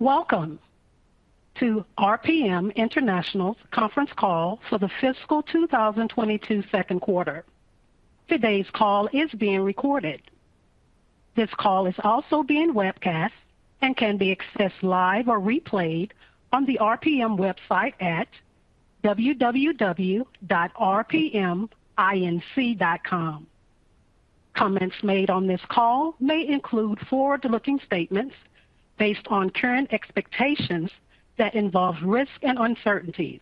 Welcome to RPM International's conference call for the fiscal 2022 second quarter. Today's call is being recorded. This call is also being webcast and can be accessed live or replayed on the RPM website at www.rpminc.com. Comments made on this call may include forward-looking statements based on current expectations that involve risks and uncertainties,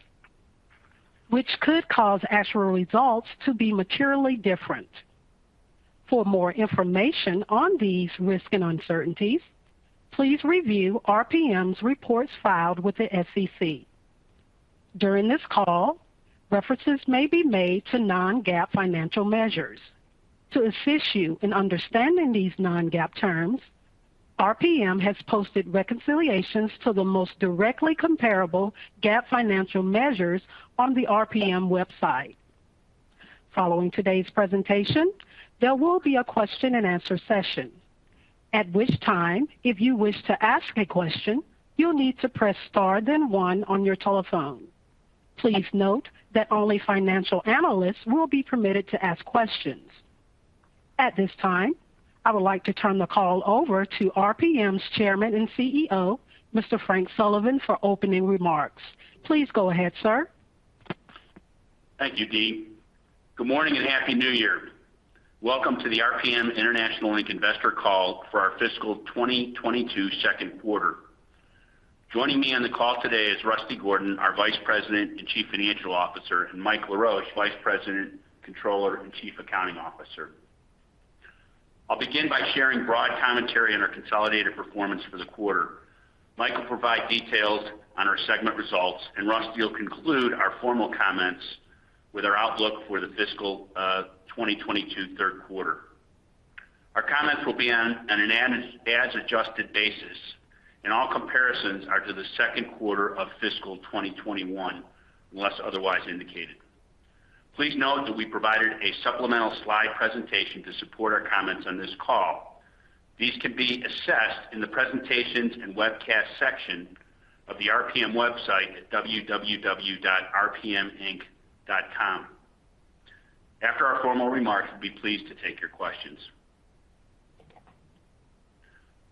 which could cause actual results to be materially different. For more information on these risks and uncertainties, please review RPM's reports filed with the SEC. During this call, references may be made to non-GAAP financial measures. To assist you in understanding these non-GAAP terms, RPM has posted reconciliations to the most directly comparable GAAP financial measures on the RPM website. Following today's presentation, there will be a question-and-answer session. At which time, if you wish to ask a question, you'll need to press Star then one on your telephone. Please note that only financial analysts will be permitted to ask questions. At this time, I would like to turn the call over to RPM's Chairman and CEO, Mr. Frank Sullivan, for opening remarks. Please go ahead, sir. Thank you, Dee. Good morning and happy new year. Welcome to the RPM International Inc. investor call for our fiscal 2022 second quarter. Joining me on the call today is Rusty Gordon, our Vice President and Chief Financial Officer, and Mike Laroche, Vice President, Controller, and Chief Accounting Officer. I'll begin by sharing broad commentary on our consolidated performance for the quarter. Mike will provide details on our segment results, and Russ will conclude our formal comments with our outlook for the fiscal 2022 third quarter. Our comments will be on an adjusted basis, and all comparisons are to the second quarter of fiscal 2021, unless otherwise indicated. Please note that we provided a supplemental slide presentation to support our comments on this call. These can be accessed in the presentations and webcast section of the RPM website at www.rpminc.com. After our formal remarks, we'll be pleased to take your questions.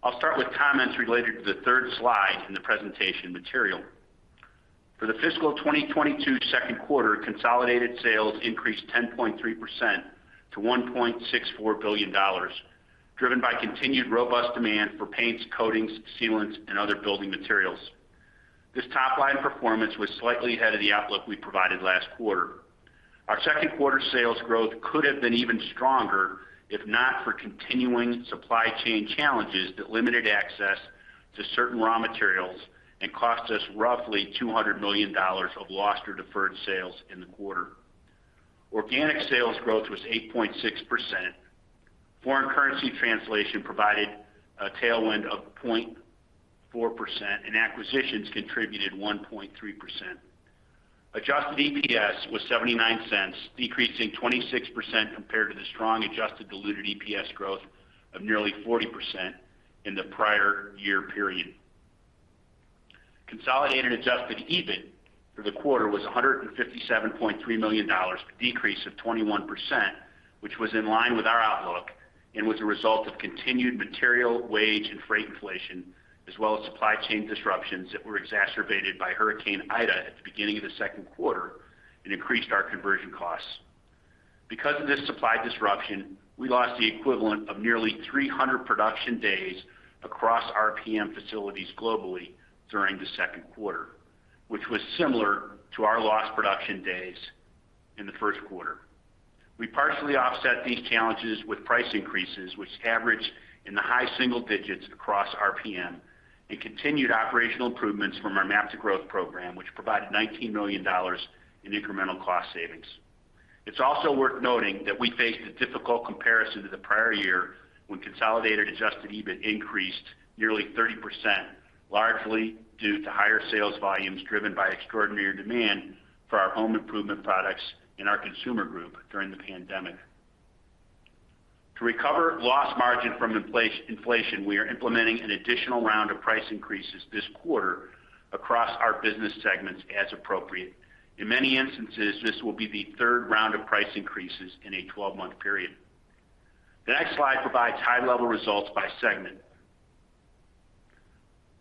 I'll start with comments related to the third slide in the presentation material. For the fiscal 2022 second quarter, consolidated sales increased 10.3% to $1.64 billion, driven by continued robust demand for paints, coatings, sealants, and other building materials. This top-line performance was slightly ahead of the outlook we provided last quarter. Our second quarter sales growth could have been even stronger if not for continuing supply chain challenges that limited access to certain raw materials and cost us roughly $200 million of lost or deferred sales in the quarter. Organic sales growth was 8.6%. Foreign currency translation provided a tailwind of 0.4%, and acquisitions contributed 1.3%. Adjusted EPS was $0.79, decreasing 26% compared to the strong adjusted diluted EPS growth of nearly 40% in the prior year period. Consolidated adjusted EBIT for the quarter was $157.3 million, a decrease of 21%, which was in line with our outlook and was a result of continued material, wage, and freight inflation, as well as supply chain disruptions that were exacerbated by Hurricane Ida at the beginning of the second quarter and increased our conversion costs. Because of this supply disruption, we lost the equivalent of nearly 300 production days across RPM facilities globally during the second quarter, which was similar to our lost production days in the first quarter. We partially offset these challenges with price increases, which averaged in the high single digits across RPM and continued operational improvements from our MAP to Growth program, which provided $19 million in incremental cost savings. It's also worth noting that we faced a difficult comparison to the prior year when consolidated adjusted EBIT increased nearly 30%, largely due to higher sales volumes driven by extraordinary demand for our home improvement products in our Consumer Group during the pandemic. To recover lost margin from inflation, we are implementing an additional round of price increases this quarter across our business segments as appropriate. In many instances, this will be the third round of price increases in a 12-month period. The next slide provides high-level results by segment.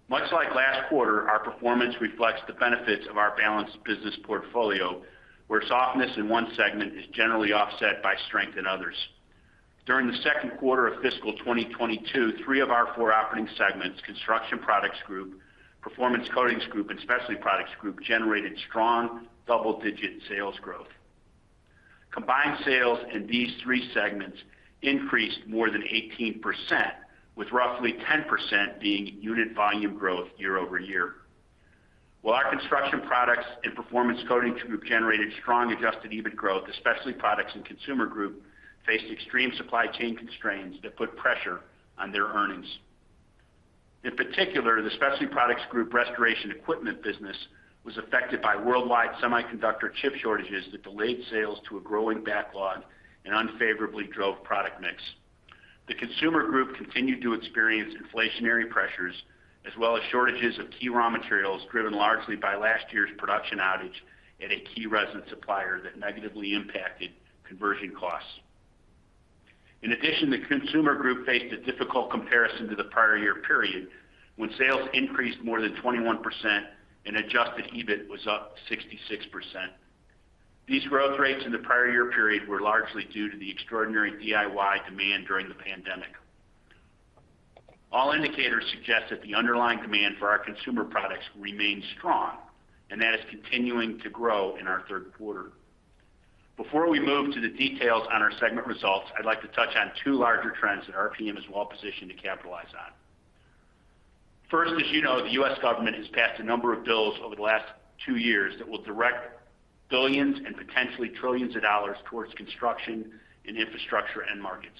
Much like last quarter, our performance reflects the benefits of our balanced business portfolio, where softness in one segment is generally offset by strength in others. During the second quarter of fiscal 2022, three of our four operating segments, Construction Products Group, Performance Coatings Group, and Specialty Products Group, generated strong double-digit sales growth. Combined sales in these three segments increased more than 18%, with roughly 10% being unit volume growth year-over-year. While our Construction Products and Performance Coatings Group generated strong adjusted EBIT growth, the Specialty Products and Consumer Group faced extreme supply chain constraints that put pressure on their earnings. In particular, the Specialty Products Group restoration equipment business was affected by worldwide semiconductor chip shortages that delayed sales to a growing backlog and unfavorably drove product mix. The Consumer Group continued to experience inflationary pressures as well as shortages of key raw materials driven largely by last year's production outage at a key resin supplier that negatively impacted conversion costs. In addition, the Consumer Group faced a difficult comparison to the prior year period when sales increased more than 21% and adjusted EBIT was up 66%. These growth rates in the prior year period were largely due to the extraordinary DIY demand during the pandemic. All indicators suggest that the underlying demand for our consumer products remains strong, and that is continuing to grow in our third quarter. Before we move to the details on our segment results, I'd like to touch on two larger trends that RPM is well-positioned to capitalize on. First, as you know, the U.S. government has passed a number of bills over the last two years that will direct billions and potentially trillions of dollars towards construction and infrastructure end markets.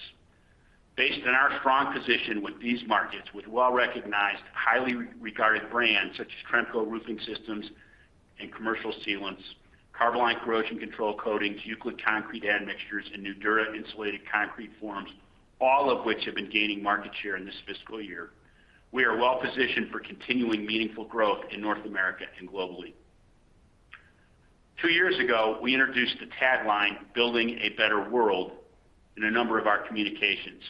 Based on our strong position with these markets, with well-recognized, highly regarded brands such as Tremco Roofing Systems and Commercial Sealants, Carboline corrosion-control coatings, Euclid concrete admixtures, and Nudura insulated concrete forms, all of which have been gaining market share in this fiscal year. We are well-positioned for continuing meaningful growth in North America and globally. Two years ago, we introduced the tagline, Building a Better World, in a number of our communications.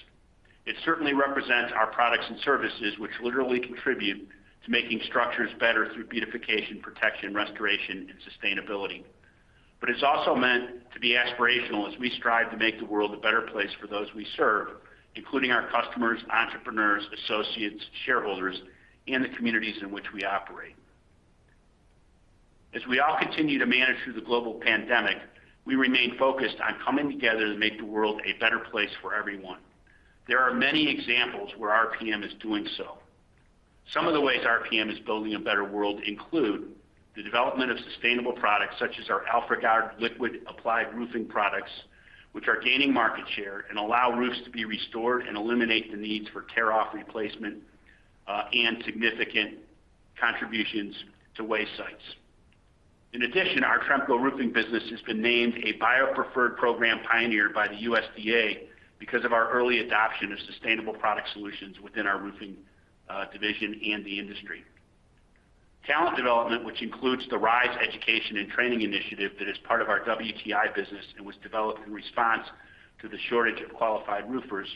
It certainly represents our products and services, which literally contribute to making structures better through beautification, protection, restoration, and sustainability. It's also meant to be aspirational as we strive to make the world a better place for those we serve, including our customers, entrepreneurs, associates, shareholders, and the communities in which we operate. As we all continue to manage through the global pandemic, we remain focused on coming together to make the world a better place for everyone. There are many examples where RPM is doing so. Some of the ways RPM is building a better world include the development of sustainable products such as our AlphaGuard liquid applied roofing products, which are gaining market share and allow roofs to be restored and eliminate the needs for tear-off replacement, and significant contributions to waste sites. In addition, our Tremco Roofing business has been named a BioPreferred program pioneer by the USDA because of our early adoption of sustainable product solutions within our roofing division and the industry. Talent development, which includes the RISE Education and Training Initiative that is part of our WTI business and was developed in response to the shortage of qualified roofers,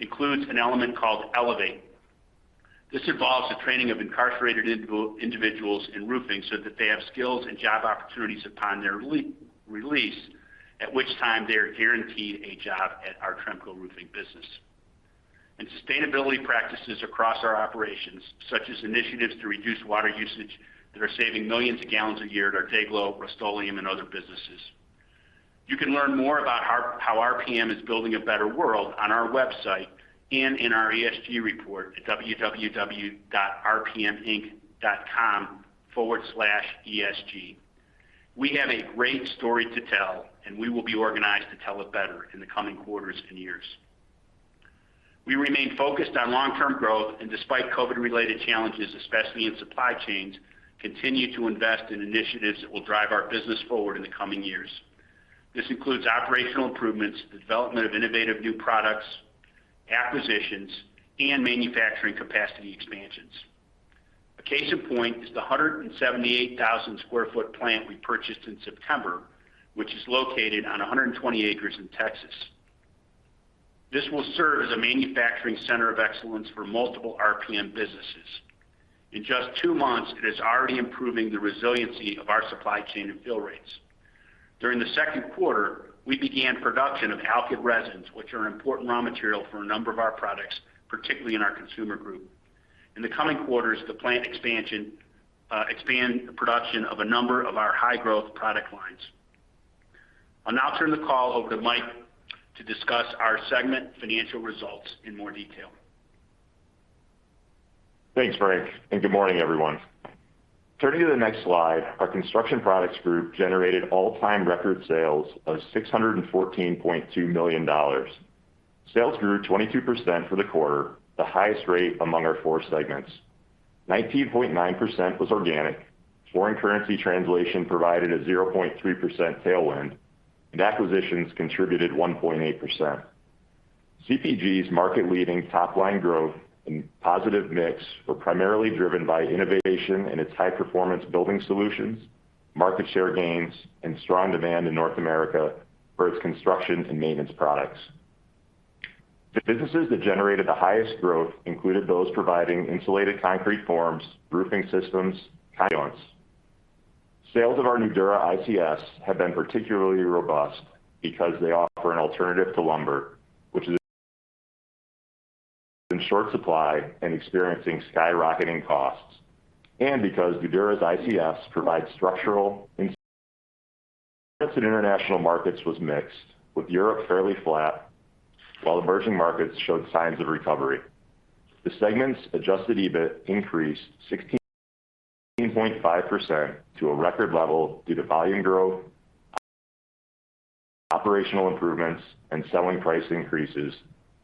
includes an element called ELEVATE. This involves the training of incarcerated individuals in roofing so that they have skills and job opportunities upon their re-release, at which time they are guaranteed a job at our Tremco Roofing business. Sustainability practices across our operations, such as initiatives to reduce water usage that are saving millions of gallons a year to Day-Glow, Rust-Oleum, and other businesses. You can learn more about how RPM is building a better world on our website and in our ESG report at www.rpminc.com/esg. We have a great story to tell, and we will be organized to tell it better in the coming quarters and years. We remain focused on long-term growth and despite COVID-related challenges, especially in supply chains, continue to invest in initiatives that will drive our business forward in the coming years. This includes operational improvements, the development of innovative new products, acquisitions, and manufacturing capacity expansions. A case in point is the 178,000 sq ft plant we purchased in September, which is located on 120 acres in Texas. This will serve as a manufacturing center of excellence for multiple RPM businesses. In just two months, it is already improving the resiliency of our supply chain and fill rates. During the second quarter, we began production of alkyd resins, which are an important raw material for a number of our products, particularly in our Consumer Group. In the coming quarters, the plant expansion will expand the production of a number of our high-growth product lines. I'll now turn the call over to Mike to discuss our segment financial results in more detail. Thanks, Frank, and good morning, everyone. Turning to the next slide, our Construction Products Group generated all-time record sales of $614.2 million. Sales grew 22% for the quarter, the highest rate among our four segments. 19.9% was organic. Foreign currency translation provided a 0.3% tailwind, and acquisitions contributed 1.8%. CPG's market-leading top-line growth and positive mix were primarily driven by innovation in its high-performance building solutions, market share gains, and strong demand in North America for its construction and maintenance products. The businesses that generated the highest growth included those providing insulated concrete forms, roofing systems. Sales of our Nudura ICS have been particularly robust because they offer an alternative to lumber, which is in short supply and experiencing skyrocketing costs. Because Nudura's ICFs provides structural. Performance in international markets was mixed, with Europe fairly flat while emerging markets showed signs of recovery. The segment's adjusted EBIT increased 16.5% to a record level due to volume growth, operational improvements, and selling price increases,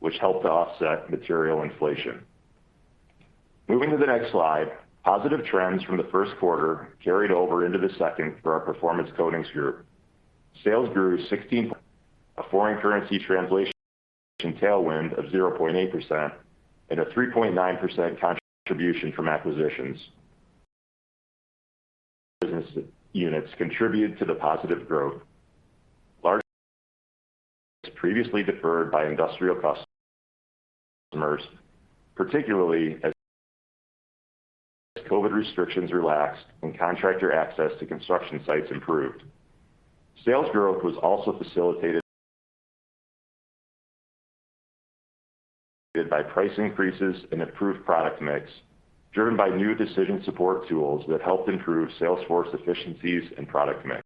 which helped to offset material inflation. Moving to the next slide, positive trends from the first quarter carried over into the second for our Performance Coatings Group. Sales grew 16%, a foreign currency translation tailwind of 0.8% and a 3.9% contribution from acquisitions. Business units contributed to the positive growth. Large previously deferred by industrial customers, particularly as COVID restrictions relaxed and contractor access to construction sites improved. Sales growth was also facilitated by price increases and improved product mix, driven by new decision support tools that helped improve sales force efficiencies and product mix.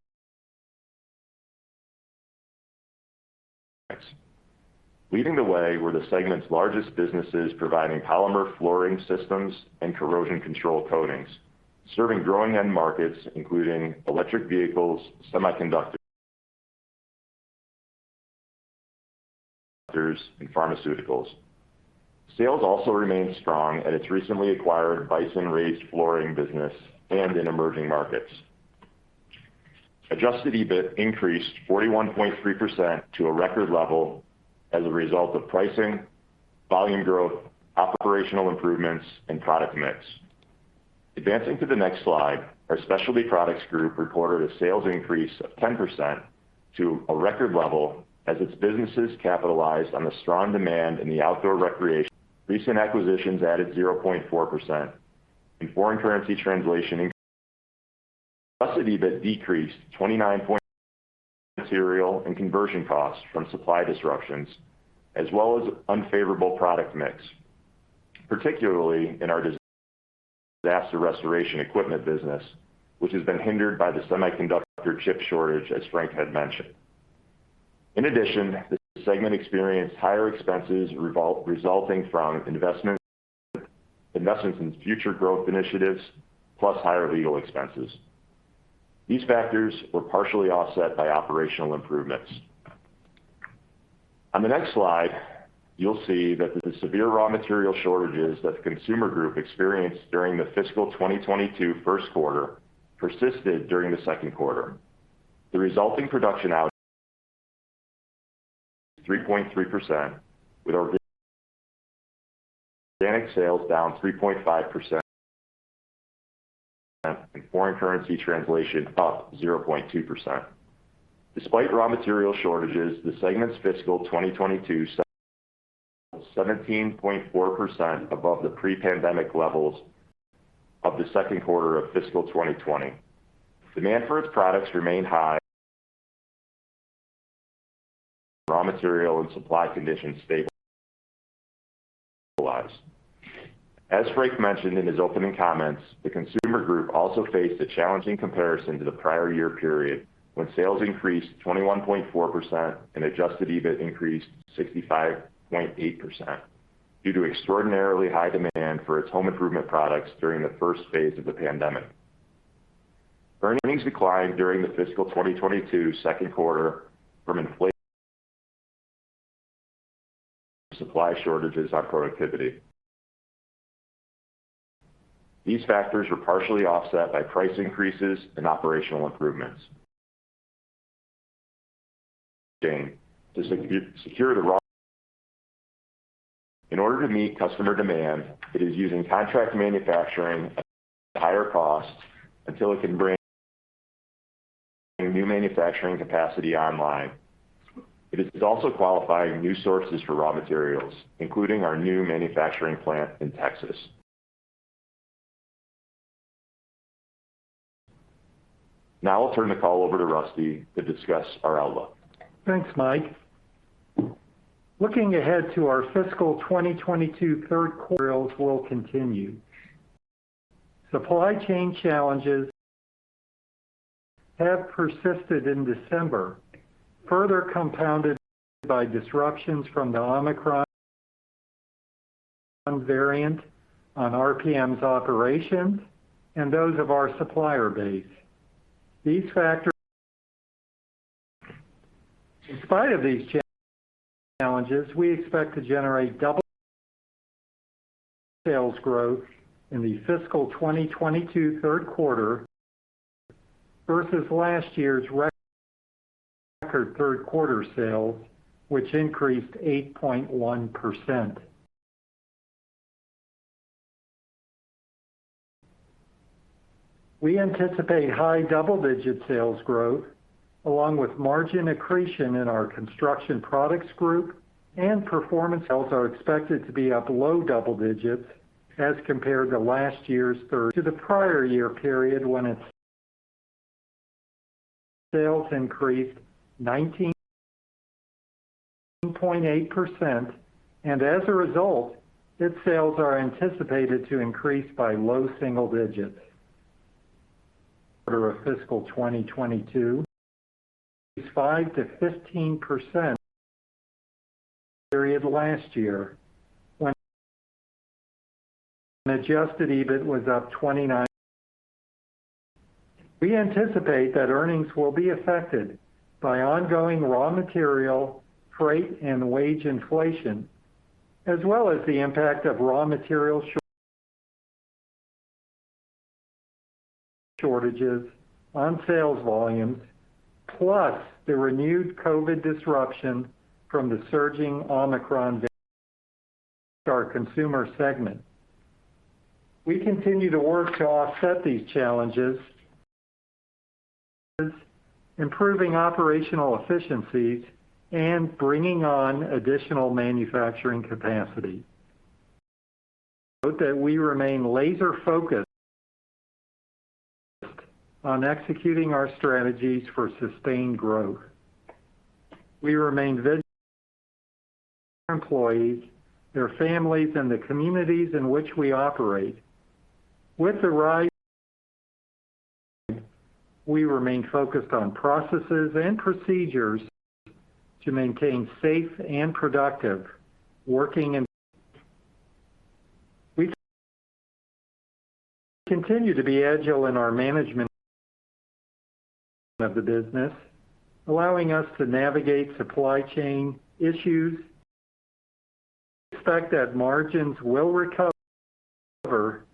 Leading the way were the segment's largest businesses providing polymer flooring systems and corrosion control coatings, serving growing end markets, including electric vehicles, semiconductors, and pharmaceuticals. Sales also remained strong at its recently acquired Bison raised flooring business and in emerging markets. Adjusted EBIT increased 41.3% to a record level as a result of pricing, volume growth, operational improvements, and product mix. Advancing to the next slide, our Specialty Products Group reported a sales increase of 10% to a record level as its businesses capitalized on the strong demand in the outdoor recreation. Recent acquisitions added 0.4% and foreign currency translation. Adjusted EBIT decreased 29% due to material and conversion costs from supply disruptions as well as unfavorable product mix, particularly in our disaster restoration equipment business, which has been hindered by the semiconductor chip shortage, as Frank had mentioned. In addition, the segment experienced higher expenses resulting from investments in future growth initiatives, plus higher legal expenses. These factors were partially offset by operational improvements. On the next slide, you'll see that the severe raw material shortages that the Consumer Group experienced during the fiscal 2022 first quarter persisted during the second quarter. The resulting sales were down 3.3% with our organic sales down 3.5% and foreign currency translation up 0.2%. Despite raw material shortages, the segment's fiscal 2022 sales were 17.4% above the pre-pandemic levels of the second quarter of fiscal 2020. Demand for its products remained high despite raw material and supply conditions. As Frank mentioned in his opening comments, the Consumer Group also faced a challenging comparison to the prior year period, when sales increased 21.4% and adjusted EBIT increased 65.8% due to extraordinarily high demand for its home improvement products during the first phase of the pandemic. Earnings declined during the fiscal 2022 second quarter from inflation, supply shortages on productivity. These factors were partially offset by price increases and operational improvements. In order to meet customer demand, it is using contract manufacturing at higher costs until it can bring new manufacturing capacity online. It is also qualifying new sources for raw materials, including our new manufacturing plant in Texas. Now I'll turn the call over to Rusty to discuss our outlook. Thanks, Mike. Looking ahead to our fiscal 2022 third quarter will continue. Supply chain challenges have persisted in December, further compounded by disruptions from the Omicron variant on RPM's operations and those of our supplier base. In spite of these challenges, we expect to generate double sales growth in the fiscal 2022 third quarter versus last year's record third quarter sales, which increased 8.1%. We anticipate high double-digit sales growth along with margin accretion in our Construction Products Group and Performance are expected to be up low double digits as compared to last year's third to the prior year period when its sales increased 19.8%, and as a result, its sales are anticipated to increase by low single digits. quarter of fiscal 2022 is 5%-15% period last year when adjusted EBIT was up 29%. We anticipate that earnings will be affected by ongoing raw material, freight, and wage inflation, as well as the impact of raw material shortages on sales volumes, plus the renewed COVID disruption from the surging Omicron variant in our consumer segment. We continue to work to offset these challenges, improving operational efficiencies, and bringing on additional manufacturing capacity. We remain laser-focused on executing our strategies for sustained growth. We remain vigilant to our employees, their families, and the communities in which we operate. With the rise of Omicron, we remain focused on processes and procedures to maintain safe and productive working environments. We continue to be agile in our management of the business, allowing us to navigate supply chain issues. We expect that margins will recover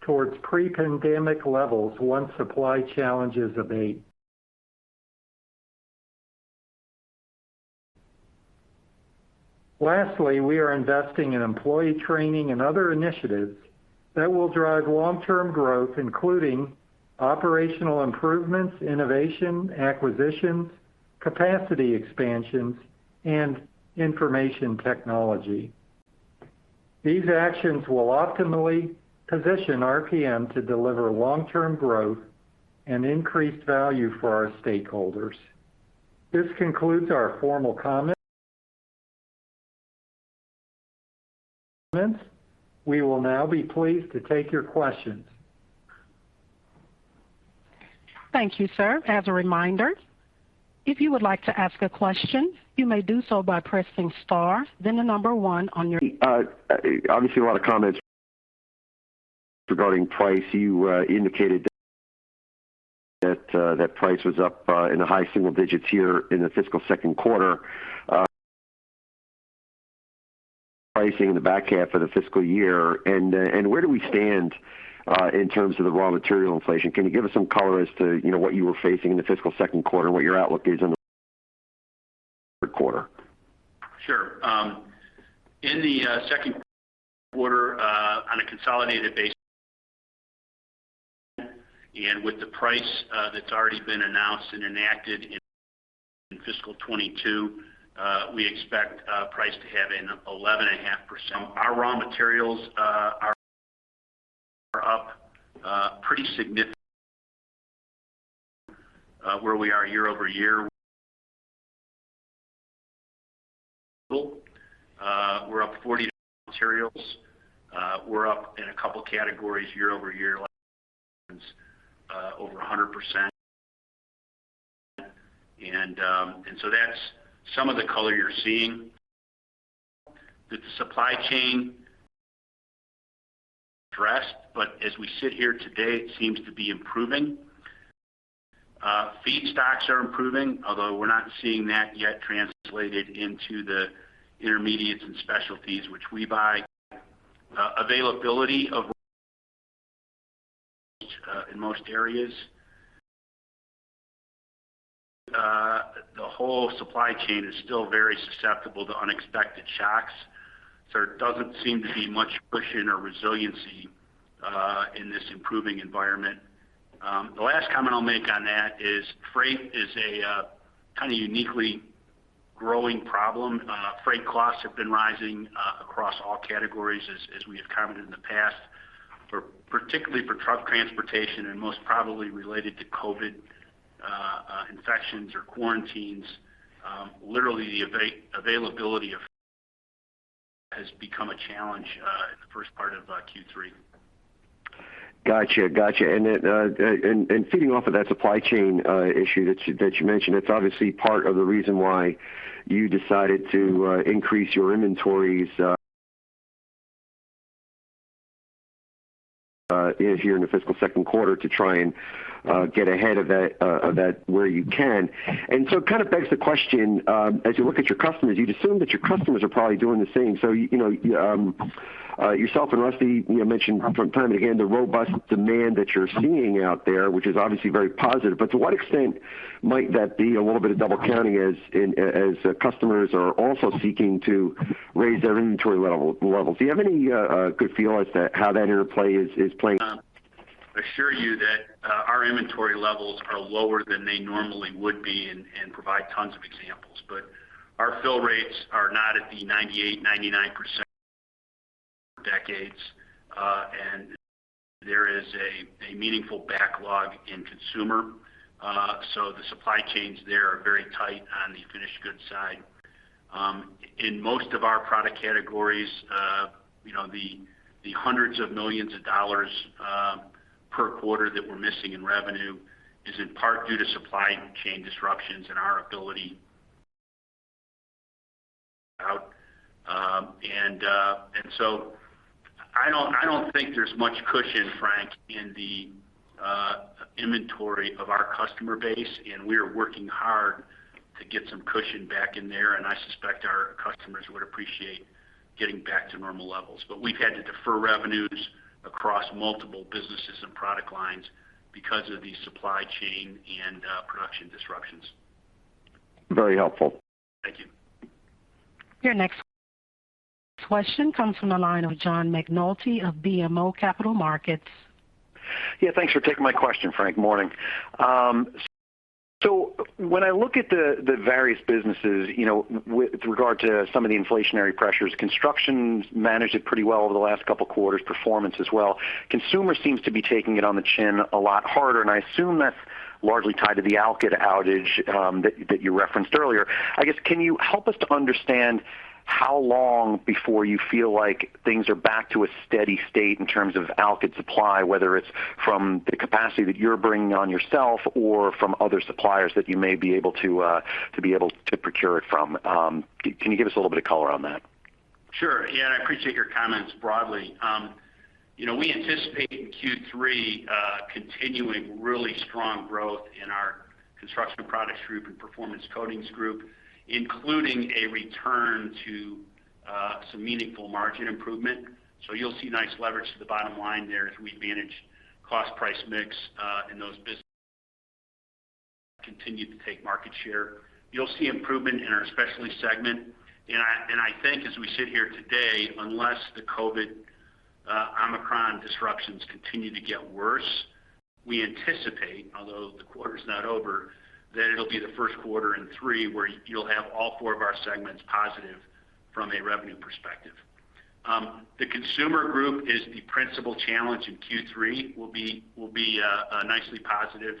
towards pre-pandemic levels once supply challenges abate. Lastly, we are investing in employee training and other initiatives that will drive long-term growth, including operational improvements, innovation, acquisitions, capacity expansions, and information technology. These actions will optimally position RPM to deliver long-term growth and increased value for our stakeholders. This concludes our formal comments. We will now be pleased to take your questions. Thank you, sir. As a reminder, if you would like to ask a question, you may do so by pressing star then the number one on your- Obviously, a lot of comments regarding price. You indicated that price was up in the high single digits here in the fiscal second quarter. Pricing in the back half of the fiscal year. Where do we stand in terms of the raw material inflation? Can you give us some color as to what you were facing in the fiscal second quarter and what your outlook is in the third quarter? Sure. In the second quarter on a consolidated basis, and with the price that's already been announced and enacted in fiscal 2022, we expect price to have an 11.5%. Our raw materials are up pretty significantly year-over-year. We're up 40% in materials. We're up in a couple of categories year-over-year, over 100%. That's some of the color you're seeing. The supply chain is addressed, but as we sit here today, it seems to be improving. Feedstocks are improving, although we're not seeing that yet translated into the intermediates and specialties which we buy. Availability is in most areas. The whole supply chain is still very susceptible to unexpected shocks. There doesn't seem to be much cushion or resiliency in this improving environment. The last comment I'll make on that is freight is a kind of uniquely growing problem. Freight costs have been rising across all categories, as we have commented in the past, particularly for truck transportation and most probably related to COVID infections or quarantines. Literally, the availability of drivers has become a challenge in the first part of Q3. Got you. Feeding off of that supply chain issue that you mentioned, it's obviously part of the reason why you decided to increase your inventories here in the fiscal second quarter to try and get ahead of that where you can. It kind of begs the question, as you look at your customers, you'd assume that your customers are probably doing the same. Yourself and Rusty mentioned from time and again the robust demand that you're seeing out there, which is obviously very positive. To what extent might that be a little bit of double counting as customers are also seeking to raise their inventory levels? Do you have any good feel as to how that interplay is playing out? assure you that our inventory levels are lower than they normally would be and provide tons of examples. Our fill rates are not at the 98-99% decades. There is a meaningful backlog in consumer. The supply chains there are very tight on the finished goods side. In most of our product categories, the $hundreds of millions per quarter that we're missing in revenue is in part due to supply chain disruptions and our ability I don't think there's much cushion, Frank, in the inventory of our customer base, and we are working hard to get some cushion back in there, and I suspect our customers would appreciate getting back to normal levels. We've had to defer revenues across multiple businesses and product lines because of the supply chain and production disruptions. Very helpful. Thank you. Your next question comes from the line of John McNulty of BMO Capital Markets. Yeah, thanks for taking my question, Frank. Morning. So when I look at the various businesses, you know, with regard to some of the inflationary pressures, Construction managed it pretty well over the last couple of quarters, Performance as well. Consumer seems to be taking it on the chin a lot harder, and I assume that's largely tied to the Alkyd outage, that you referenced earlier. I guess, can you help us to understand how long before you feel like things are back to a steady state in terms of Alkyd supply, whether it's from the capacity that you're bringing on yourself or from other suppliers that you may be able to procure it from? Can you give us a little bit of color on that? Sure. Yeah. I appreciate your comments broadly. We anticipate in Q3 continuing really strong growth in our Construction Products Group and Performance Coatings Group, including a return to some meaningful margin improvement. You'll see nice leverage to the bottom line there as we manage cost, price, mix in those businesses and continue to take market share. You'll see improvement in our Specialty segment. I think as we sit here today, unless the COVID Omicron disruptions continue to get worse, we anticipate, although the quarter is not over, that it'll be the first quarter in three where you'll have all four of our segments positive from a revenue perspective. The Consumer Group is the principal challenge in Q3. It will be nicely positive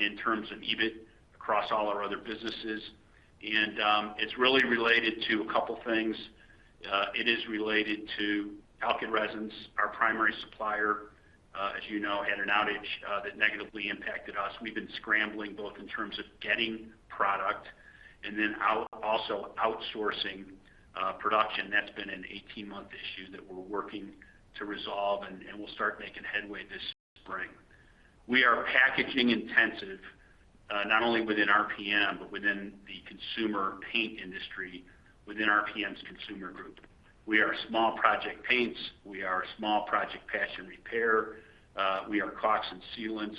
in terms of EBIT across all our businesses. It's really related to a couple of things. It is related to Alkyd Resins. Our primary supplier, as you know, had an outage that negatively impacted us. We've been scrambling both in terms of getting product and then also outsourcing production. That's been an 18-month issue that we're working to resolve, and we'll start making headway this spring. We are packaging intensive, not only within RPM, but within the consumer paint industry within RPM's Consumer Group. We are small project paints, we are small project patch and repair, we are caulks and sealants.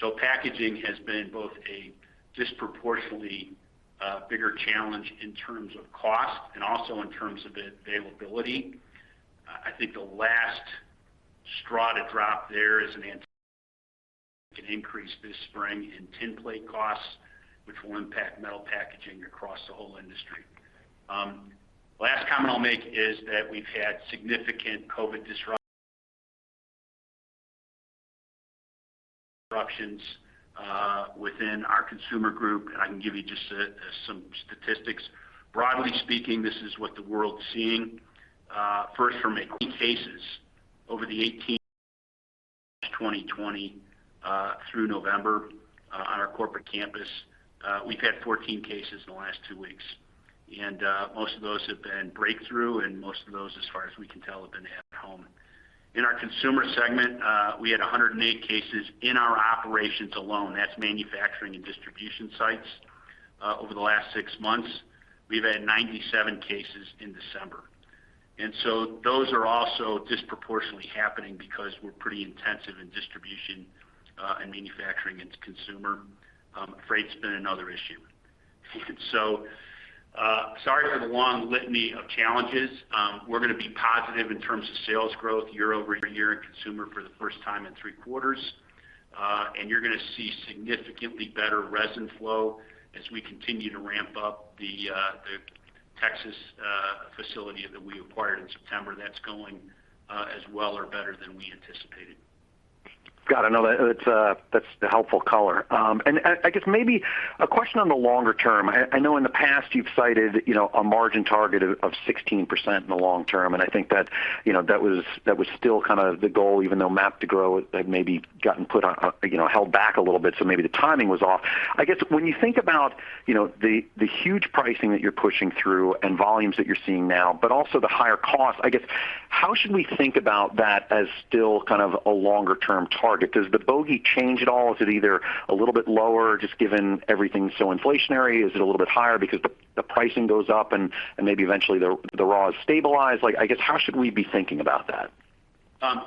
So packaging has been both a disproportionately bigger challenge in terms of cost and also in terms of availability. I think the last straw to drop there is an anticipated increase this spring in tin plate costs, which will impact metal packaging across the whole industry. Last comment I'll make is that we've had significant COVID disruptions within our Consumer Group. I can give you just some statistics. Broadly speaking, this is what the world is seeing. First from a COVID cases. Over the 18 months from March 2020 through November on our corporate campus we've had 14 cases in the last two weeks. Most of those have been breakthrough, and most of those, as far as we can tell, have been at home. In our Consumer segment we had 108 cases in our operations alone. That's manufacturing and distribution sites over the last six months. We've had 97 cases in December. Those are also disproportionately happening because we're pretty intensive in distribution, and manufacturing into consumer. Freight has been another issue. Sorry for the long litany of challenges. We're going to be positive in terms of sales growth year-over-year in Consumer for the first time in three quarters. You're going to see significantly better resin flow as we continue to ramp up the Texas facility that we acquired in September. That's going as well or better than we anticipated. Got it. No, that's the helpful color. I guess maybe a question on the longer term. I know in the past you've cited, you know, a margin target of 16% in the long term, and I think that, you know, that was still kind of the goal, even though MAP to Growth had maybe gotten put on, you know, held back a little bit, so maybe the timing was off. I guess when you think about, you know, the huge pricing that you're pushing through and volumes that you're seeing now, but also the higher costs, I guess, how should we think about that as still kind of a longer-term target? Does the bogey change at all? Is it either a little bit lower just given everything so inflationary? Is it a little bit higher because the pricing goes up and maybe eventually the raws stabilize? Like, I guess, how should we be thinking about that?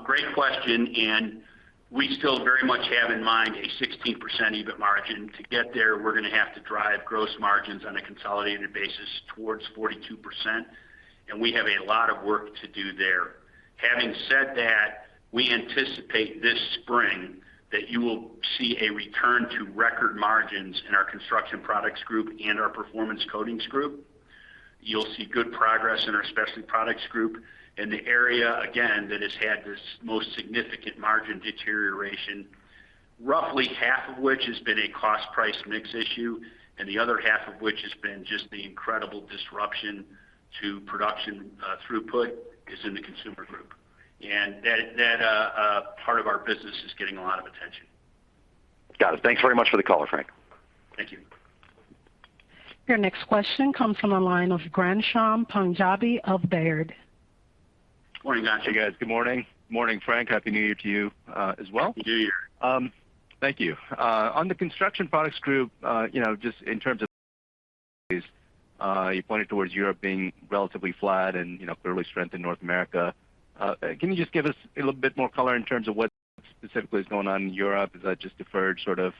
Great question. We still very much have in mind a 16% EBIT margin. To get there, we're going to have to drive gross margins on a consolidated basis towards 42%, and we have a lot of work to do there. Having said that, we anticipate this spring that you will see a return to record margins in our Construction Products Group and our Performance Coatings Group. You'll see good progress in our Specialty Products Group. The area, again, that has had this most significant margin deterioration, roughly half of which has been a cost price mix issue, and the other half of which has been just the incredible disruption to production, throughput, is in the Consumer Group. That part of our business is getting a lot of attention. Got it. Thanks very much for the call, Frank. Thank you. Your next question comes from the line of Ghansham Panjabi of Baird. Morning, Ghansham. Hey, guys. Good morning. Morning, Frank. Happy New Year to you, as well. Happy New Year. Thank you. On the Construction Products Group, you know, just in terms of, you pointed towards Europe being relatively flat and, you know, clearly strength in North America. Can you just give us a little bit more color in terms of what specifically is going on in Europe? Is that just deferred sort of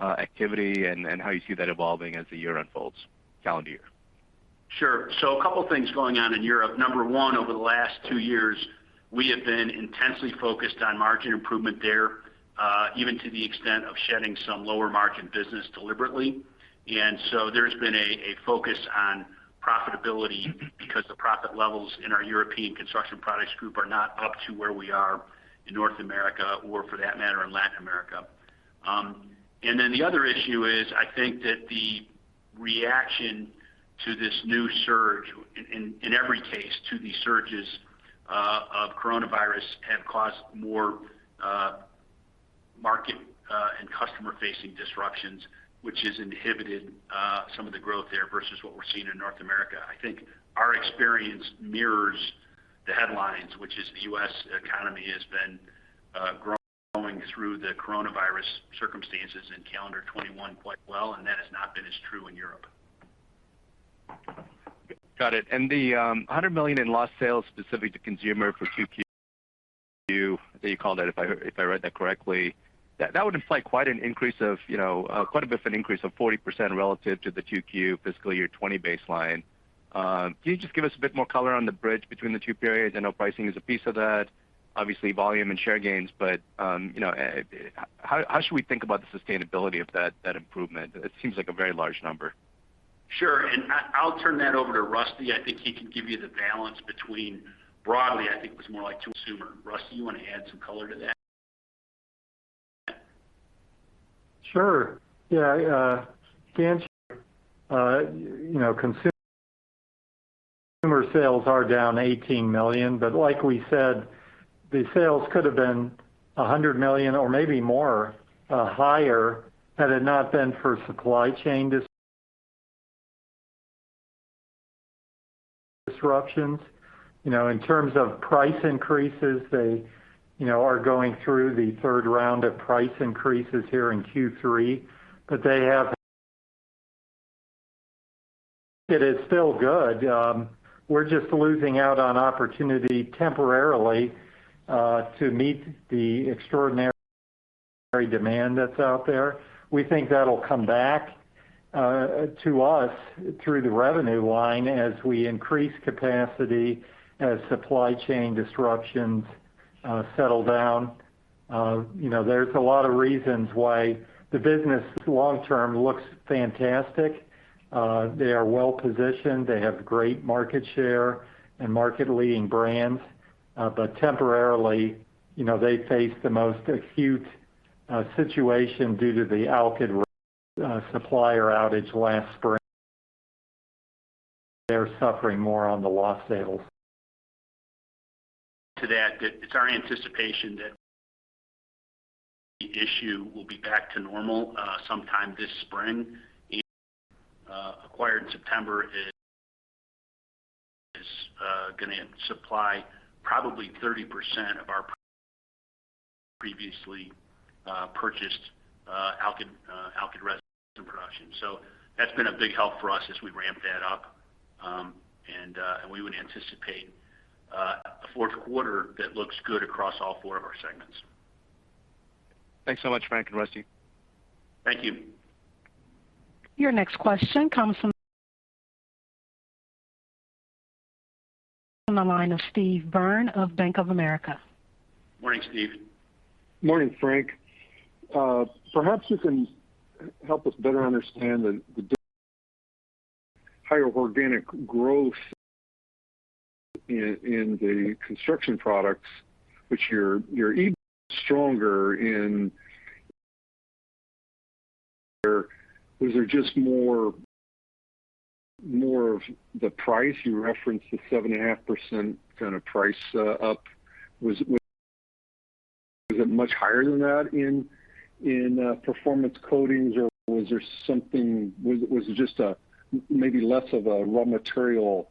activity and how you see that evolving as the year unfolds, calendar year? Sure. A couple of things going on in Europe. Number one, over the last two years, we have been intensely focused on margin improvement there, even to the extent of shedding some lower margin business deliberately. There's been a focus on profitability because the profit levels in our European Construction Products Group are not up to where we are in North America or for that matter, in Latin America. The other issue is, I think that the reaction to this new surge, in every case to these surges of coronavirus, have caused more market and customer-facing disruptions, which has inhibited some of the growth there versus what we're seeing in North America. I think our experience mirrors the headlines, which is the U.S. economy has been growing through the coronavirus circumstances in calendar 2021 quite well, and that has not been as true in Europe. Got it. The $100 million in lost sales specific to consumer for 2Q that you called it, if I read that correctly, that would imply quite a bit of an increase of 40% relative to the 2Q fiscal year 2020 baseline. Can you just give us a bit more color on the bridge between the two periods? I know pricing is a piece of that, obviously volume and share gains, but how should we think about the sustainability of that improvement? It seems like a very large number. Sure. I'll turn that over to Rusty. I think he can give you the balance between broadly, I think it was more like to consumer. Rusty, you wanna add some color to that? Sure. Yeah, Ghansham, you know, consumer sales are down $18 million, but like we said, the sales could have been $100 million or maybe more, higher had it not been for supply chain disruptions. You know, in terms of price increases, they, you know, are going through the third round of price increases here in Q3. But they have. It is still good. We're just losing out on opportunity temporarily to meet the extraordinary demand that's out there. We think that'll come back to us through the revenue line as we increase capacity, as supply chain disruptions settle down. You know, there's a lot of reasons why the business long-term looks fantastic. They are well-positioned. They have great market share and market leading brands, but temporarily, you know, they face the most acute situation due to the alkyd resin supplier outage last spring. They're suffering more on the lost sales. To that, it's our anticipation that the issue will be back to normal sometime this spring. Acquired in September is gonna supply probably 30% of our previously purchased alkyd resin production. That's been a big help for us as we ramp that up. We would anticipate a fourth quarter that looks good across all four of our segments. Thanks so much, Frank and Rusty. Thank you. Your next question comes from the line of Steve Byrne of Bank of America. Morning, Steve. Morning, Frank. Perhaps you can help us better understand the higher organic growth in the construction products, which you're even stronger in. Was there just more of the price? You referenced the 7.5% kind of price up. Was it much higher than that in performance coatings, or was it just maybe less of a raw material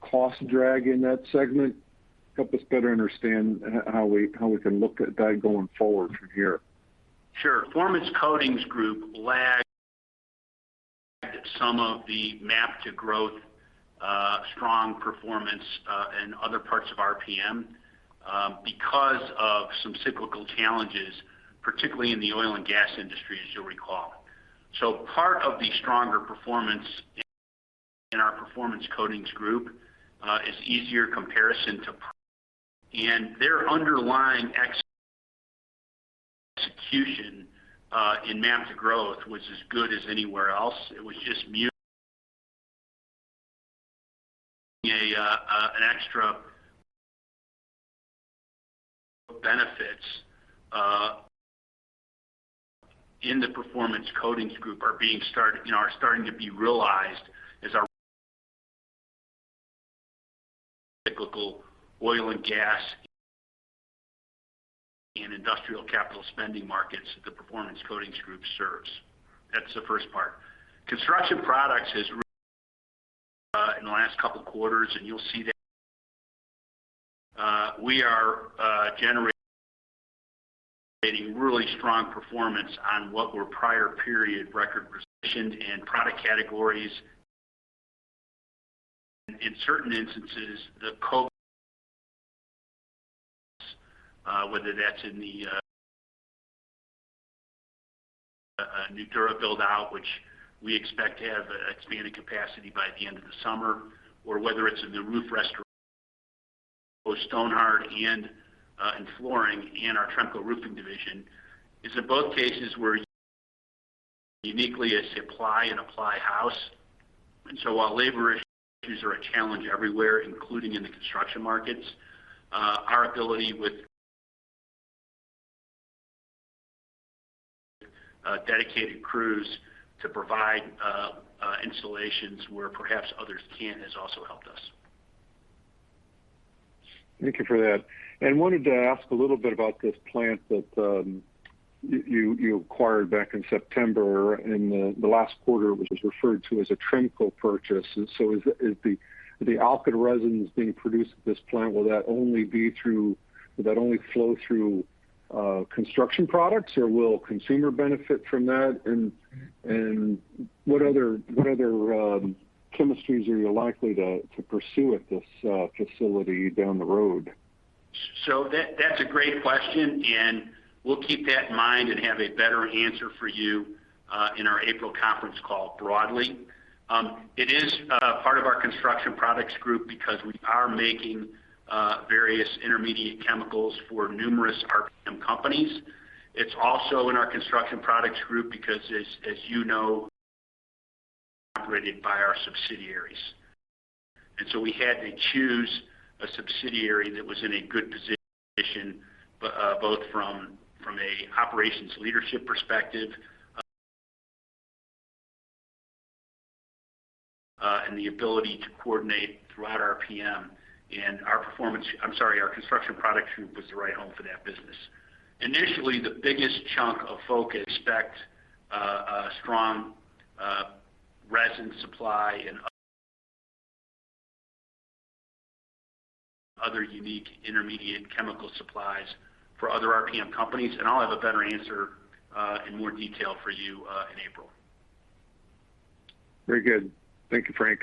cost drag in that segment? Help us better understand how we can look at that going forward from here. Sure. Performance Coatings Group lagged some of the MAP to Growth strong performance in other parts of RPM because of some cyclical challenges, particularly in the oil and gas industry, as you'll recall. Part of the stronger performance in our Performance Coatings Group is easier comparison. Their underlying execution in MAP to Growth was as good as anywhere else. It was just muted. Extra benefits in the Performance Coatings Group are starting to be realized as our typical oil and gas and industrial capital spending markets that the Performance Coatings Group serves. That's the first part. Construction Products Group has, in the last couple of quarters, and you'll see that, we are generating really strong performance on what were prior period record positions and product categories. In certain instances, the COVID, whether that's in the Nudura build-out, which we expect to have expanded capacity by the end of the summer, or whether it's in the roof restoration, both Stonhard and in flooring and our Tremco Roofing Division, is in both cases, we're uniquely a supply and apply house. While labor issues are a challenge everywhere, including in the construction markets, our ability with dedicated crews to provide installations where perhaps others can't has also helped us. Thank you for that. Wanted to ask a little bit about this plant that you acquired back in September. In the last quarter was referred to as a Tremco purchase. Is the alkyd resins being produced at this plant? Will that only flow through construction products, or will consumer benefit from that? What other chemistries are you likely to pursue at this facility down the road? That's a great question, and we'll keep that in mind and have a better answer for you in our April conference call broadly. It is part of our Construction Products Group because we are making various intermediate chemicals for numerous RPM companies. It's also in our Construction Products Group because as you know, it is operated by our subsidiaries. We had to choose a subsidiary that was in a good position both from an operations leadership perspective and the ability to coordinate throughout RPM. Our Construction Products Group was the right home for that business. Initially, the biggest chunk of focus expected a strong resin supply and other unique intermediate chemical supplies for other RPM companies. I'll have a better answer in more detail for you in April. Very good. Thank you, Frank.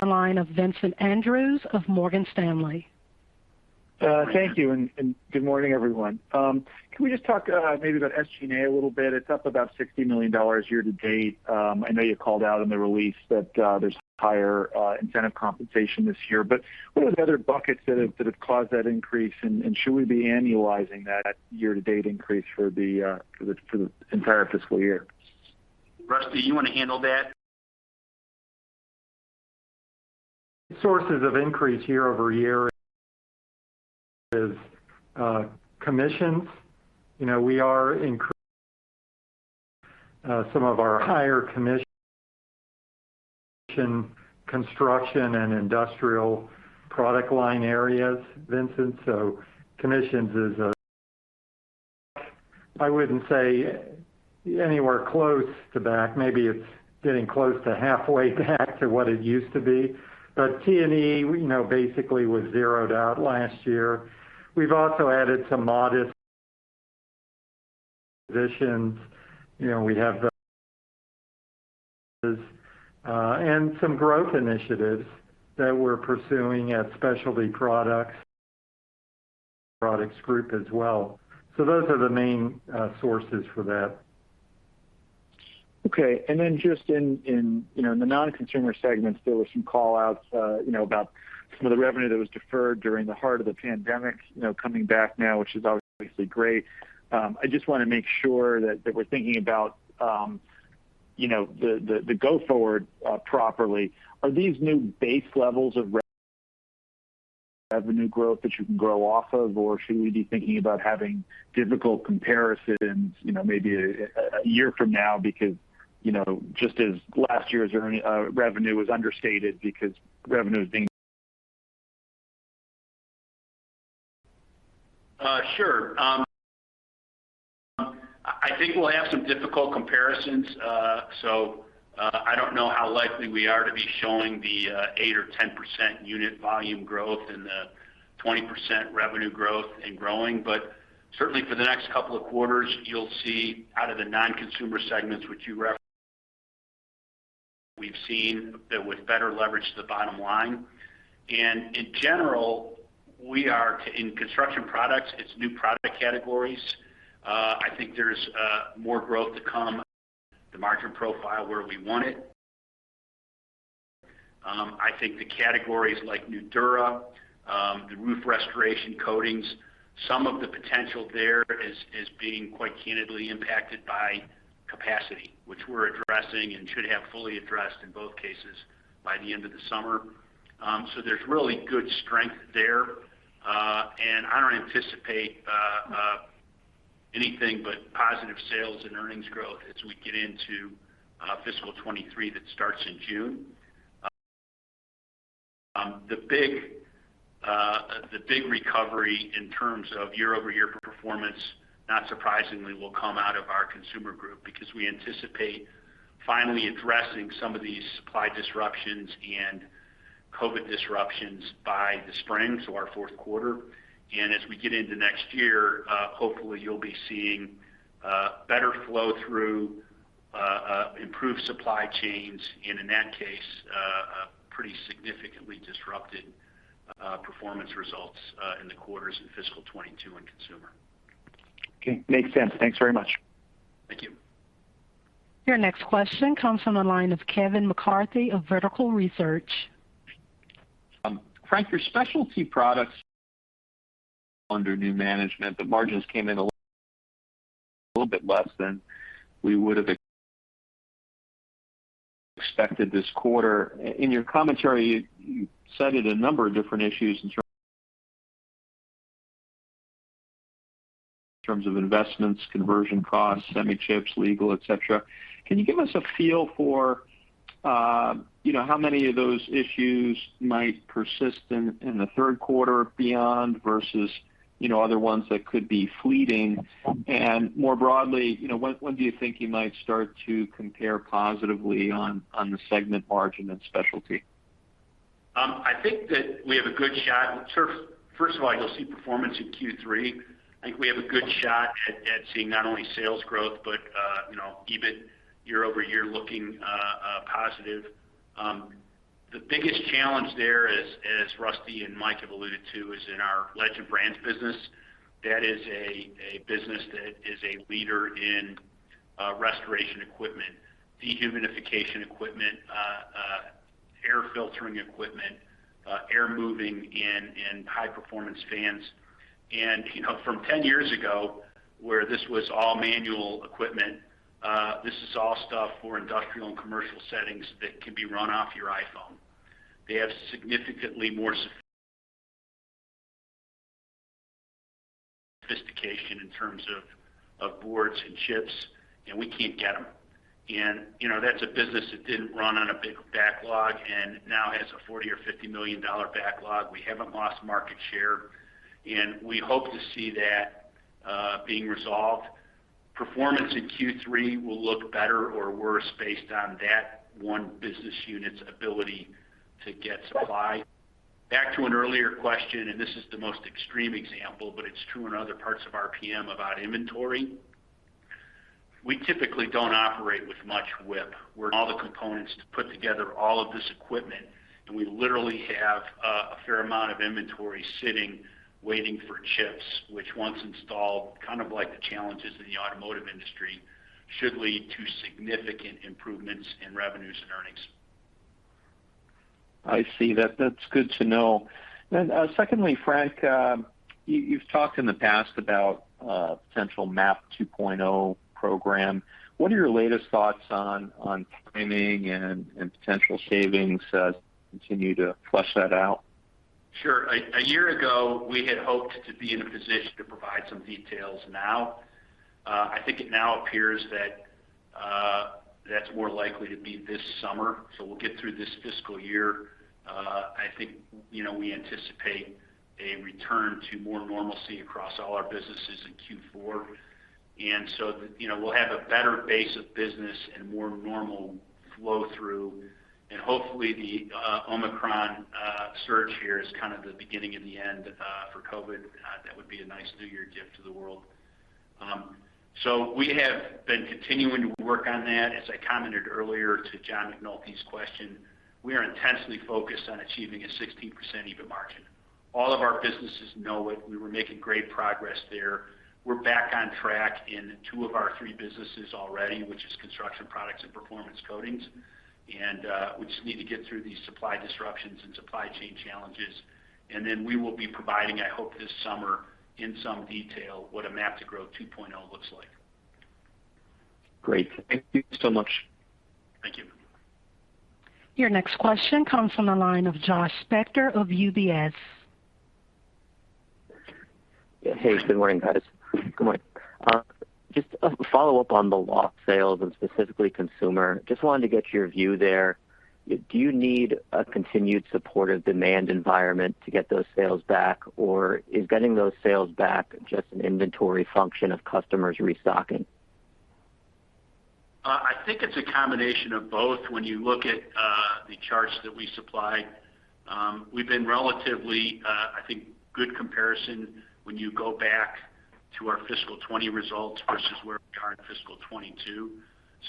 The line of Vincent Andrews of Morgan Stanley. Thank you and good morning, everyone. Can we just talk maybe about SG&A a little bit? It's up about $60 million year-to-date. I know you called out in the release that there's higher incentive compensation this year. What are the other buckets that have caused that increase? Should we be annualizing that year-to-date increase for the entire fiscal year? Rusty, you want to handle that? Sources of increase year-over-year is commissions. You know, we are increasing some of our higher commission construction and industrial product line areas, Vincent. Commissions is. I wouldn't say anywhere close to back. Maybe it's getting close to halfway back to what it used to be. T&E, you know, basically was zeroed out last year. We've also added some modest positions. You know, we have the, and some growth initiatives that we're pursuing at Specialty Products Group as well. Those are the main sources for that. Okay. Then just in, you know, in the non-consumer segments, there were some callouts, you know, about some of the revenue that was deferred during the heart of the pandemic, you know, coming back now, which is obviously great. I just want to make sure that we're thinking about, you know, the go forward properly. Are these new base levels of revenue growth that you can grow off of, or should we be thinking about having difficult comparisons, you know, maybe a year from now because, you know, just as last year's revenue was understated because revenue is being- Sure. I think we'll have some difficult comparisons. I don't know how likely we are to be showing the 8% or 10% unit volume growth and the 20% revenue growth and growing. Certainly for the next couple of quarters, you'll see out of the non-consumer segments, which you've seen that with better leverage to the bottom line. In general, we are in construction products, it's new product categories. I think there's more growth to come. The margin profile where we want it. I think the categories like Nudura, the roof restoration coatings, some of the potential there is being quite candidly impacted by capacity, which we're addressing and should have fully addressed in both cases by the end of the summer. There's really good strength there. I don't anticipate anything but positive sales and earnings growth as we get into fiscal 2023 that starts in June. The big recovery in terms of year-over-year performance, not surprisingly, will come out of our Consumer Group because we anticipate finally addressing some of these supply disruptions and COVID disruptions by the spring, so our fourth quarter. As we get into next year, hopefully you'll be seeing better flow through, improved supply chains and, in that case, a pretty significantly disrupted performance results in the quarters in fiscal 2022 in Consumer. Okay. Makes sense. Thanks very much. Thank you. Your next question comes from the line of Kevin McCarthy of Vertical Research. Frank, your Specialty Products under new management, the margins came in a little bit less than we would have expected this quarter. In your commentary, you cited a number of different issues in terms of investments, conversion costs, semi chips, legal, et cetera. Can you give us a feel for, you know, how many of those issues might persist in the third quarter beyond versus, you know, other ones that could be fleeting? More broadly, you know, when do you think you might start to compare positively on the segment margin and Specialty? I think that we have a good shot. Sure. First of all, you'll see performance in Q3. I think we have a good shot at seeing not only sales growth, but you know, EBIT year over year looking positive. The biggest challenge there as Rusty and Mike have alluded to is in our Legend Brands business. That is a business that is a leader in restoration equipment, dehumidification equipment, air filtering equipment, air moving and high performance fans. You know, from 10 years ago, where this was all manual equipment, this is all stuff for industrial and commercial settings that can be run off your iPhone. They have significantly more sophistication in terms of boards and chips, and we can't get them. You know, that's a business that didn't run on a big backlog and now has a $40 million-$50 million backlog. We haven't lost market share, and we hope to see that being resolved. Performance in Q3 will look better or worse based on that one business unit's ability to get supply. Back to an earlier question, and this is the most extreme example, but it's true in other parts of RPM about inventory. We typically don't operate with much WIP. We have all the components to put together all of this equipment, and we literally have a fair amount of inventory sitting, waiting for chips, which once installed, kind of like the challenges in the automotive industry, should lead to significant improvements in revenues and earnings. I see. That's good to know. Secondly, Frank, you've talked in the past about a potential MAP 2.0 program. What are your latest thoughts on timing and potential savings as you continue to flesh that out? Sure. A year ago, we had hoped to be in a position to provide some details now. I think it now appears that that's more likely to be this summer. We'll get through this fiscal year. I think, you know, we anticipate a return to more normalcy across all our businesses in Q4. We'll have a better base of business and more normal flow through. Hopefully, the Omicron surge here is kind of the beginning of the end for COVID. That would be a nice New Year gift to the world. We have been continuing to work on that. As I commented earlier to John McNulty's question, we are intensely focused on achieving a 16% EBIT margin. All of our businesses know it. We were making great progress there. We're back on track in two of our three businesses already, which is Construction Products and Performance Coatings. We just need to get through these supply disruptions and supply chain challenges. Then we will be providing, I hope this summer in some detail, what a MAP to Growth 2.0 looks like. Great. Thank you so much. Thank you. Your next question comes from the line of Josh Spector of UBS. Hey, good morning, guys. Good morning. Just a follow-up on the lost sales and specifically Consumer. Just wanted to get your view there. Do you need a continued supportive demand environment to get those sales back, or is getting those sales back just an inventory function of customers restocking? I think it's a combination of both. When you look at the charts that we supply, we've been relatively, I think good comparison when you go back to our fiscal 2020 results versus where we are in fiscal 2022.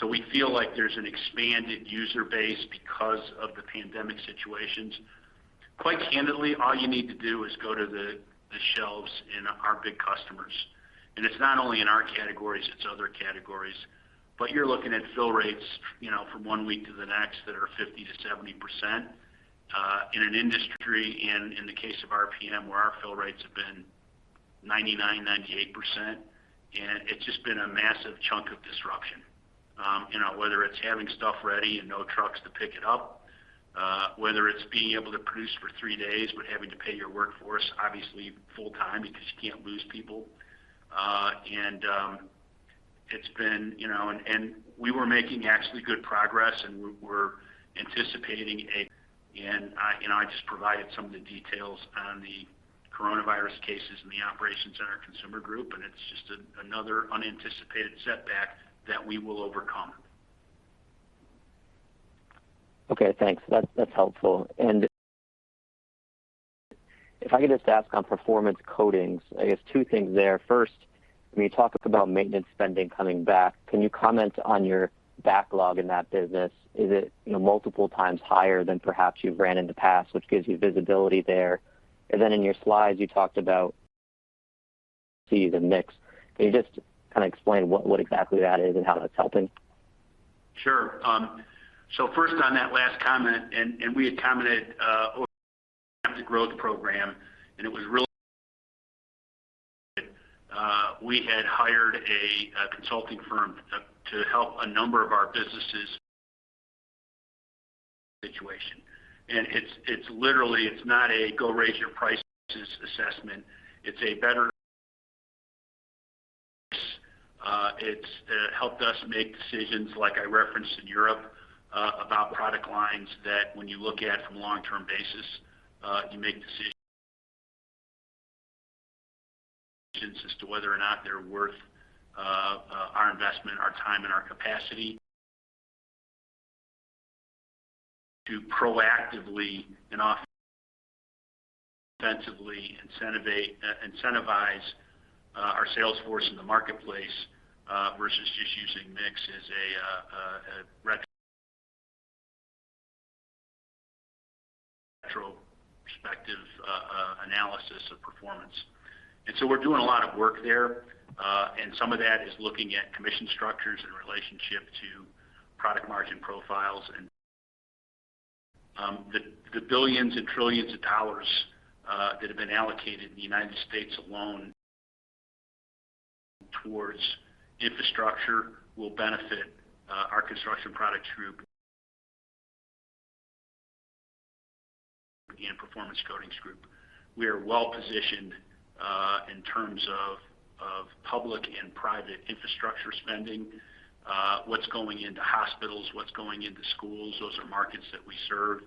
We feel like there's an expanded user base because of the pandemic situations. Quite candidly, all you need to do is go to the shelves in our big customers. It's not only in our categories, it's other categories. You're looking at fill rates, you know, from one week to the next that are 50%-70%, in an industry and in the case of RPM, where our fill rates have been 99%, 98%, and it's just been a massive chunk of disruption. You know, whether it's having stuff ready and no trucks to pick it up, whether it's being able to produce for three days, but having to pay your workforce obviously full-time because you can't lose people. It's been you know, we were making actually good progress, and we're anticipating. You know, I just provided some of the details on the coronavirus cases in the operations in our Consumer Group, and it's just another unanticipated setback that we will overcome. Okay, thanks. That's helpful. If I could just ask on Performance Coatings, I guess two things there. First, when you talk about maintenance spending coming back, can you comment on your backlog in that business? Is it, you know, multiple times higher than perhaps you've ran in the past, which gives you visibility there? Then in your slides, you talked about, see the mix. Can you just kind of explain what exactly that is and how that's helping? Sure. First on that last comment, and we had commented on the MAP to Growth program, and it was really we had hired a consulting firm to help a number of our businesses situation. It's literally not a go raise your prices assessment. It's better. It helped us make decisions like I referenced in Europe about product lines that when you look at from a long-term basis you make decisions as to whether or not they're worth our investment, our time, and our capacity to proactively and defensively incentivize our sales force in the marketplace versus just using mix as a retrospective analysis of performance. We're doing a lot of work there, and some of that is looking at commission structures in relationship to product margin profiles. The $ billions and $ trillions of dollars that have been allocated in the United States alone towards infrastructure will benefit our Construction Products Group and Performance Coatings Group. We are well positioned in terms of public and private infrastructure spending, what's going into hospitals, what's going into schools. Those are markets that we serve.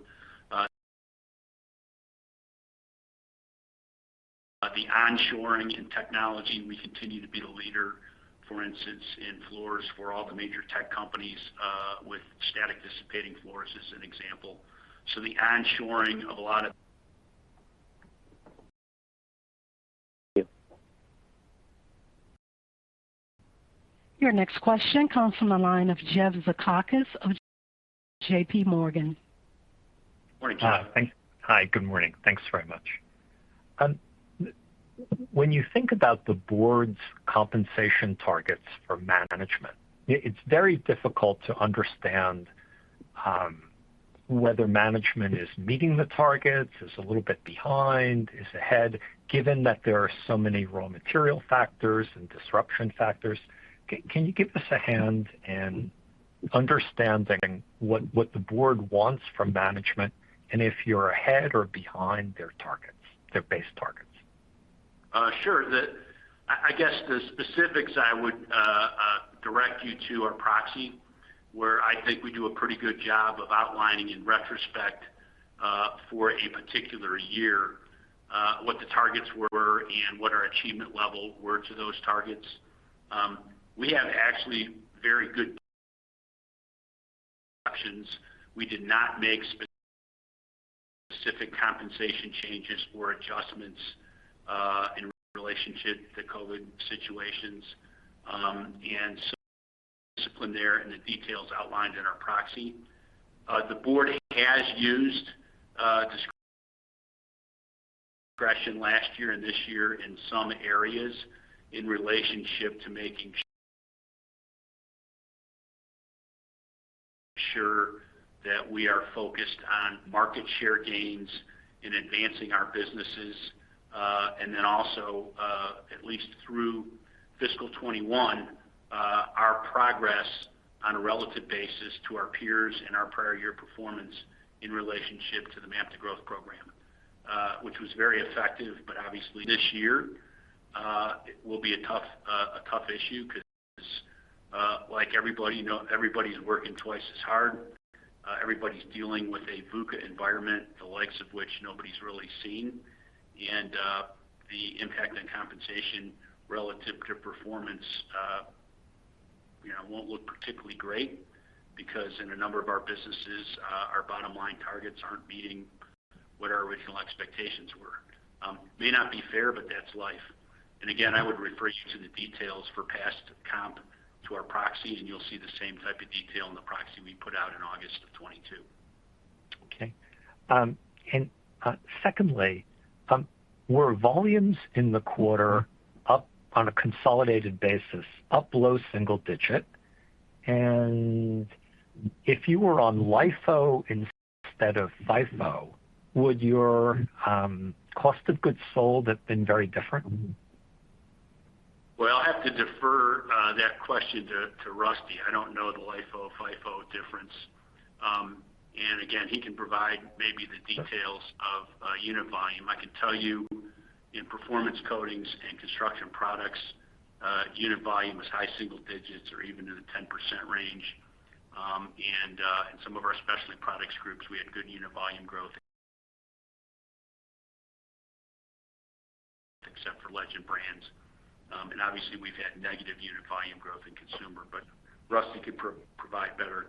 The onshoring in technology, we continue to be the leader, for instance, in floors for all the major tech companies, with static dissipating floors as an example. The onshoring of a lot of Thank you. Your next question comes from the line of Jeff Zekauskas of J.P. Morgan. Morning. Hi, good morning. Thanks very much. When you think about the board's compensation targets for management, it's very difficult to understand whether management is meeting the targets, is a little bit behind, is ahead, given that there are so many raw material factors and disruption factors. Can you give us a hand in understanding what the board wants from management and if you're ahead or behind their targets, their base targets? Sure. I guess the specifics I would direct you to our proxy, where I think we do a pretty good job of outlining in retrospect, for a particular year, what the targets were and what our achievement level were to those targets. We actually have very good options. We did not make specific compensation changes or adjustments in relationship to COVID situations, and discipline there and the details outlined in our proxy. The board has used discretion last year and this year in some areas in relationship to making sure that we are focused on market share gains in advancing our businesses, and then also, at least through fiscal 2021, our progress on a relative basis to our peers and our prior year performance in relationship to the MAP to Growth program, which was very effective. Obviously this year it will be a tough issue because, like everybody, you know, everybody's working twice as hard. Everybody's dealing with a VUCA environment, the likes of which nobody's really seen. The impact on compensation relative to performance, you know, won't look particularly great because in a number of our businesses, our bottom line targets aren't meeting what our original expectations were. May not be fair, but that's life. Again, I would refer you to the details for past comp to our proxies, and you'll see the same type of detail in the proxy we put out in August of 2022. Okay. Secondly, were volumes in the quarter up on a consolidated basis, up low single digit? If you were on LIFO instead of FIFO, would your cost of goods sold have been very different? Well, I'll have to defer that question to Rusty. I don't know the LIFO, FIFO difference. And again, he can provide maybe the details of unit volume. I can tell you in performance coatings and construction products, unit volume was high single digits or even in the 10% range. In some of our specialty products groups, we had good unit volume growth except for Legend Brands. And obviously we've had negative unit volume growth in consumer, but Rusty could provide better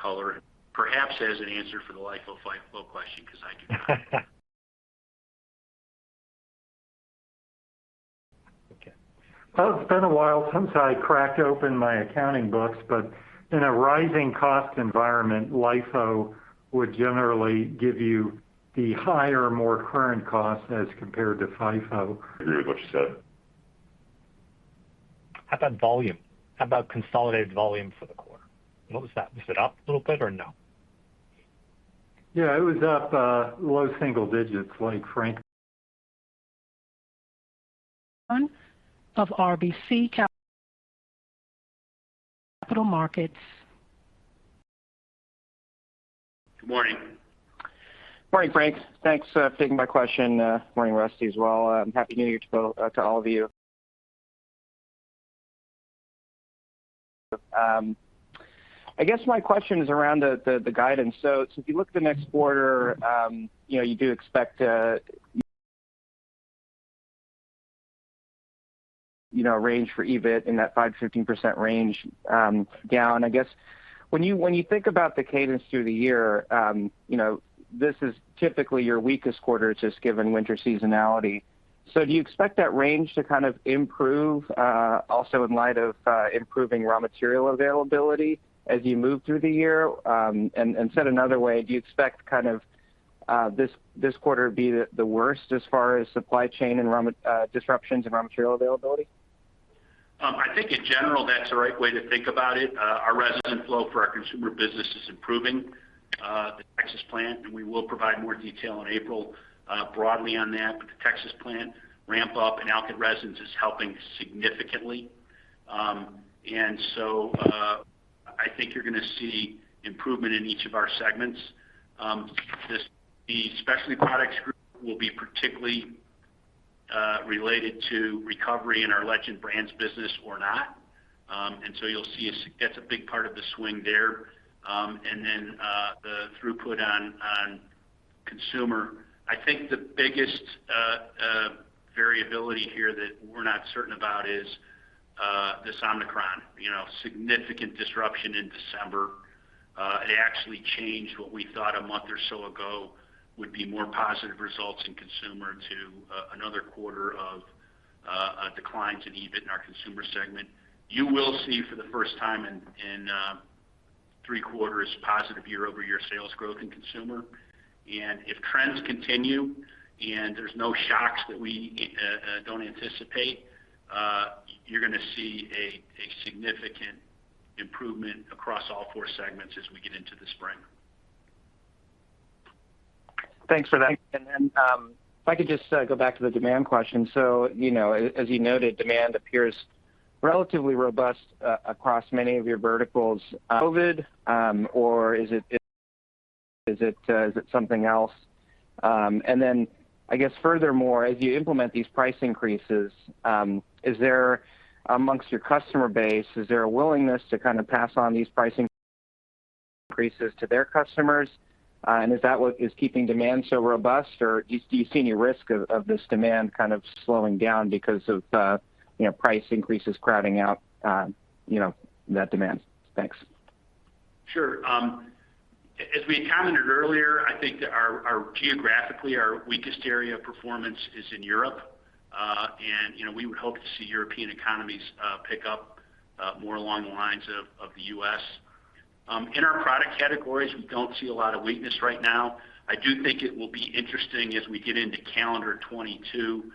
color perhaps as an answer for the LIFO, FIFO question, because I do not. Okay. Well, it's been a while since I cracked open my accounting books, but in a rising cost environment, LIFO would generally give you the higher, more current cost as compared to FIFO. Agree with what you said. How about volume? How about consolidated volume for the quarter? What was that? Was it up a little bit or no? Yeah, it was up low single digits like Frank- Of RBC Capital Markets. Good morning. Morning, Frank. Thanks for taking my question. Morning, Rusty, as well. Happy New Year to all of you. I guess my question is around the guidance. If you look at the next quarter, you know, you do expect a range for EBIT in that 5%-15% range, down. I guess when you think about the cadence through the year, you know, this is typically your weakest quarter just given winter seasonality. Do you expect that range to kind of improve, also in light of improving raw material availability as you move through the year? Said another way, do you expect kind of this quarter be the worst as far as supply chain and disruptions and raw material availability? I think in general, that's the right way to think about it. Our resin flow for our consumer business is improving, the Texas plant, and we will provide more detail in April, broadly on that. The Texas plant ramp up and alkyd resins is helping significantly. I think you're gonna see improvement in each of our segments. The Specialty Products Group will be particularly related to recovery in our Legend Brands business or not. You'll see that's a big part of the swing there. The throughput on consumer. I think the biggest variability here that we're not certain about is this Omicron. You know, significant disruption in December. It actually changed what we thought a month or so ago would be more positive results in consumer to another quarter of a decline to the EBIT in our consumer segment. You will see for the first time in three quarters positive year-over-year sales growth in consumer. If trends continue and there's no shocks that we don't anticipate, you're gonna see a significant improvement across all four segments as we get into the spring. Thanks for that. If I could just go back to the demand question. So, you know, as you noted, demand appears relatively robust across many of your verticals. COVID, or is it something else? I guess furthermore, as you implement these price increases, is there amongst your customer base a willingness to kind of pass on these pricing increases to their customers? Is that what is keeping demand so robust? Or do you see any risk of this demand kind of slowing down because of, you know, price increases crowding out, you know, that demand? Thanks. Sure. As we had commented earlier, I think our geographically, our weakest area of performance is in Europe. You know, we would hope to see European economies pick up more along the lines of the U.S. In our product categories, we don't see a lot of weakness right now. I do think it will be interesting as we get into calendar 2022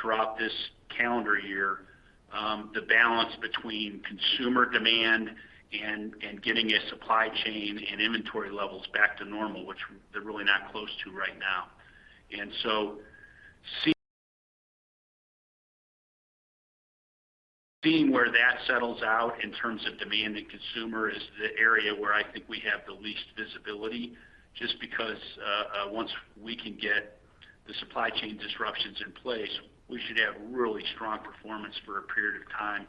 throughout this calendar year, the balance between consumer demand and getting a supply chain and inventory levels back to normal, which they're really not close to right now. Seeing where that settles out in terms of demand and consumer is the area where I think we have the least visibility, just because once we can get the supply chain disruptions in place, we should have really strong performance for a period of time,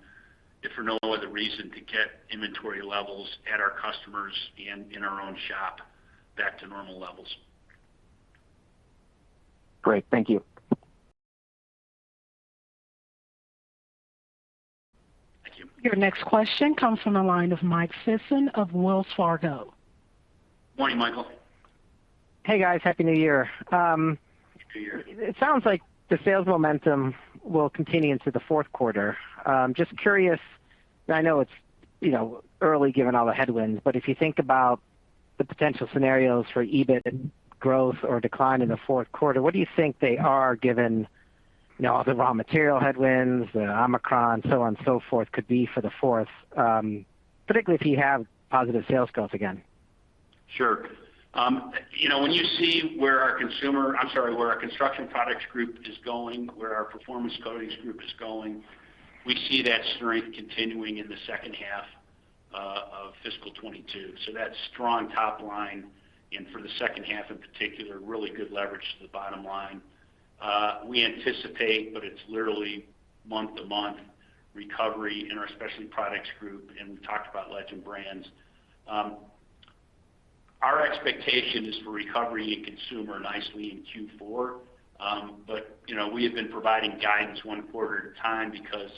if for no other reason to get inventory levels at our customers and in our own shop back to normal levels. Great. Thank you. Thank you. Your next question comes from the line of Mike Sison of Wells Fargo. Morning, Michael. Hey, guys. Happy New Year. Happy New Year. It sounds like the sales momentum will continue into the fourth quarter. Just curious. I know it's, you know, early given all the headwinds, but if you think about Potential scenarios for EBIT growth or decline in the fourth quarter. What do you think they are given, you know, all the raw material headwinds, the Omicron, so on, so forth could be for the fourth, particularly if you have positive sales growth again? Sure. You know, when you see where our Construction Products Group is going, where our Performance Coatings Group is going, we see that strength continuing in the second half of fiscal 2022. That strong top line and for the second half in particular, really good leverage to the bottom line. We anticipate, but it's literally month-to-month recovery in our Specialty Products Group, and we've talked about Legend Brands. Our expectation is for recovery in consumer nicely in Q4. You know, we have been providing guidance one quarter at a time because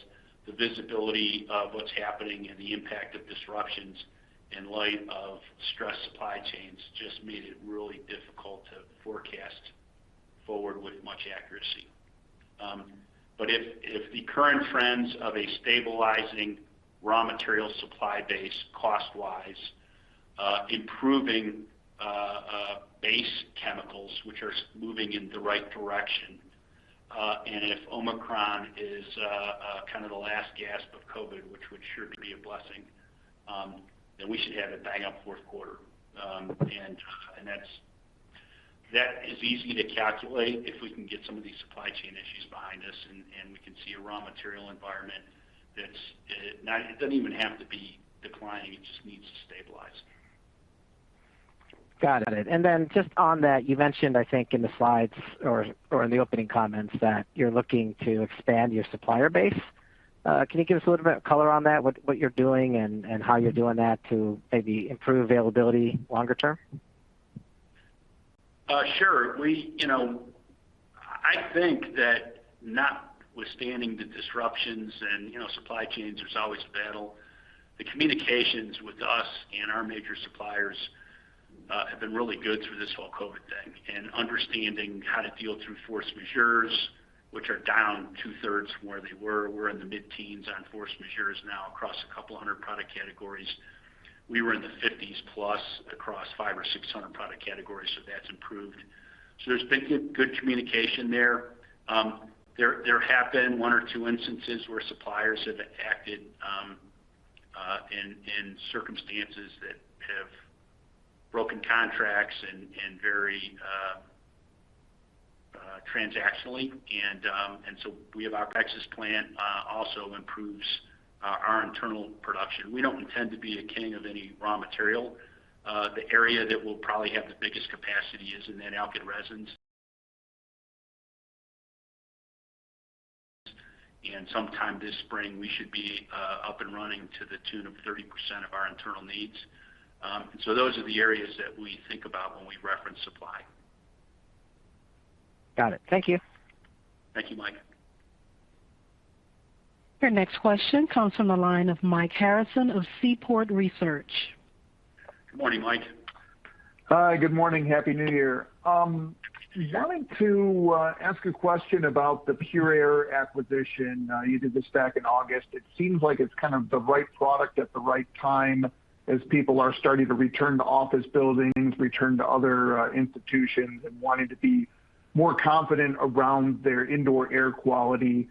the visibility of what's happening and the impact of disruptions in light of stressed supply chains just made it really difficult to forecast forward with much accuracy. If the current trends of a stabilizing raw material supply base cost-wise, improving base chemicals which are slowly moving in the right direction, and if Omicron is kind of the last gasp of COVID, which would sure be a blessing, then we should have a bang-up fourth quarter. That is easy to calculate if we can get some of these supply chain issues behind us and we can see a raw material environment that's not declining, it just needs to stabilize. Got it. Just on that, you mentioned, I think in the slides or in the opening comments that you're looking to expand your supplier base. Can you give us a little bit of color on that, what you're doing and how you're doing that to maybe improve availability longer term? Sure. You know, I think that notwithstanding the disruptions and, you know, supply chains, there's always a battle. The communications with us and our major suppliers have been really good through this whole COVID thing, understanding how to deal through force majeure, which are down 2/3 from where they were. We're in the mid-teens on force majeure now across 200 product categories. We were in the 50s plus across 500 or 600 product categories, so that's improved. There's been good communication there. There have been one or two instances where suppliers have acted in circumstances that have broken contracts and very transactionally. We have our Texas plant also improves our internal production. We don't intend to be a king of any raw material. The area that we'll probably have the biggest capacity is in that alkyd resins. Sometime this spring, we should be up and running to the tune of 30% of our internal needs. Those are the areas that we think about when we reference supply. Got it. Thank you. Thank you, Mike. Your next question comes from the line of Mike Harrison of Seaport Research. Good morning, Mike. Hi, good morning. Happy New Year. I wanted to ask a question about the Pure Air acquisition. You did this back in August. It seems like it's kind of the right product at the right time as people are starting to return to office buildings, return to other institutions, and wanting to be more confident around their indoor air quality.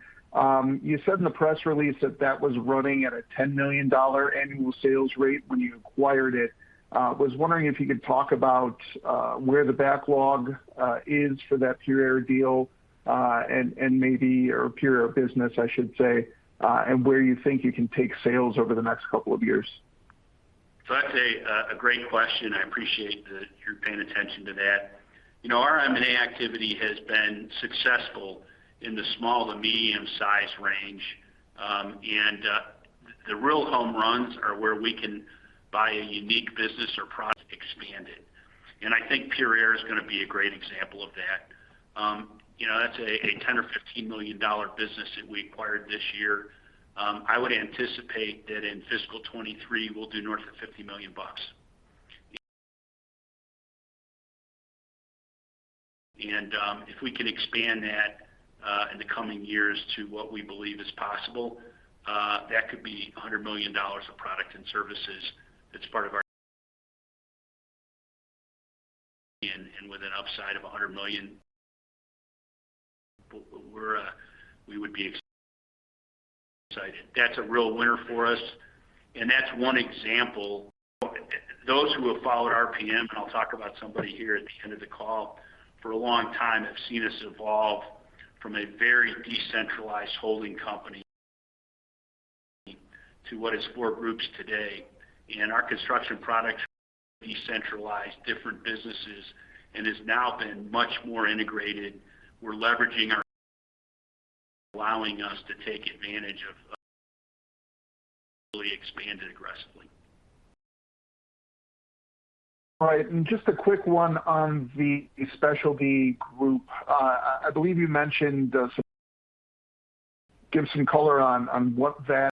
You said in the press release that that was running at a $10 million annual sales rate when you acquired it. I was wondering if you could talk about where the backlog is for that Pure Air deal, and the Pure Air business, I should say, and where you think you can take sales over the next couple of years. That's a great question. I appreciate that you're paying attention to that. You know, our M&A activity has been successful in the small to medium size range. The real home runs are where we can buy a unique business or product, expand it. I think Pure Air is gonna be a great example of that. You know, that's a $10 million-$15 million business that we acquired this year. I would anticipate that in fiscal 2023 we'll do north of $50 million. If we can expand that in the coming years to what we believe is possible, that could be a $100 million of product and services that's part of our and with an upside of a $100 million. But we would be excited. That's a real winner for us, and that's one example. Those who have followed RPM, and I'll talk about somebody here at the end of the call, for a long time have seen us evolve from a very decentralized holding company to what is four groups today. Our Construction Products decentralized different businesses and has now been much more integrated. Really expand it aggressively. All right. Just a quick one on the Specialty Group. I believe you mentioned. Give some color on what that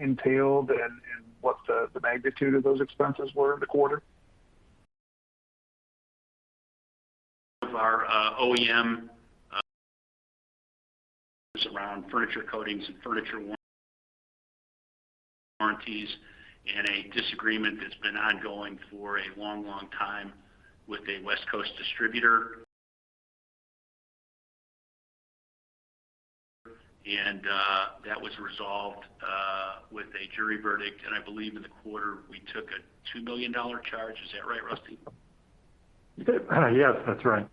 entailed and what the magnitude of those expenses were in the quarter. OEM around furniture coatings and furniture warranties, and a disagreement that's been ongoing for a long, long time with a West Coast distributor. That was resolved with a jury verdict, and I believe in the quarter we took a $2 million charge. Is that right, Rusty? Yes, that's right.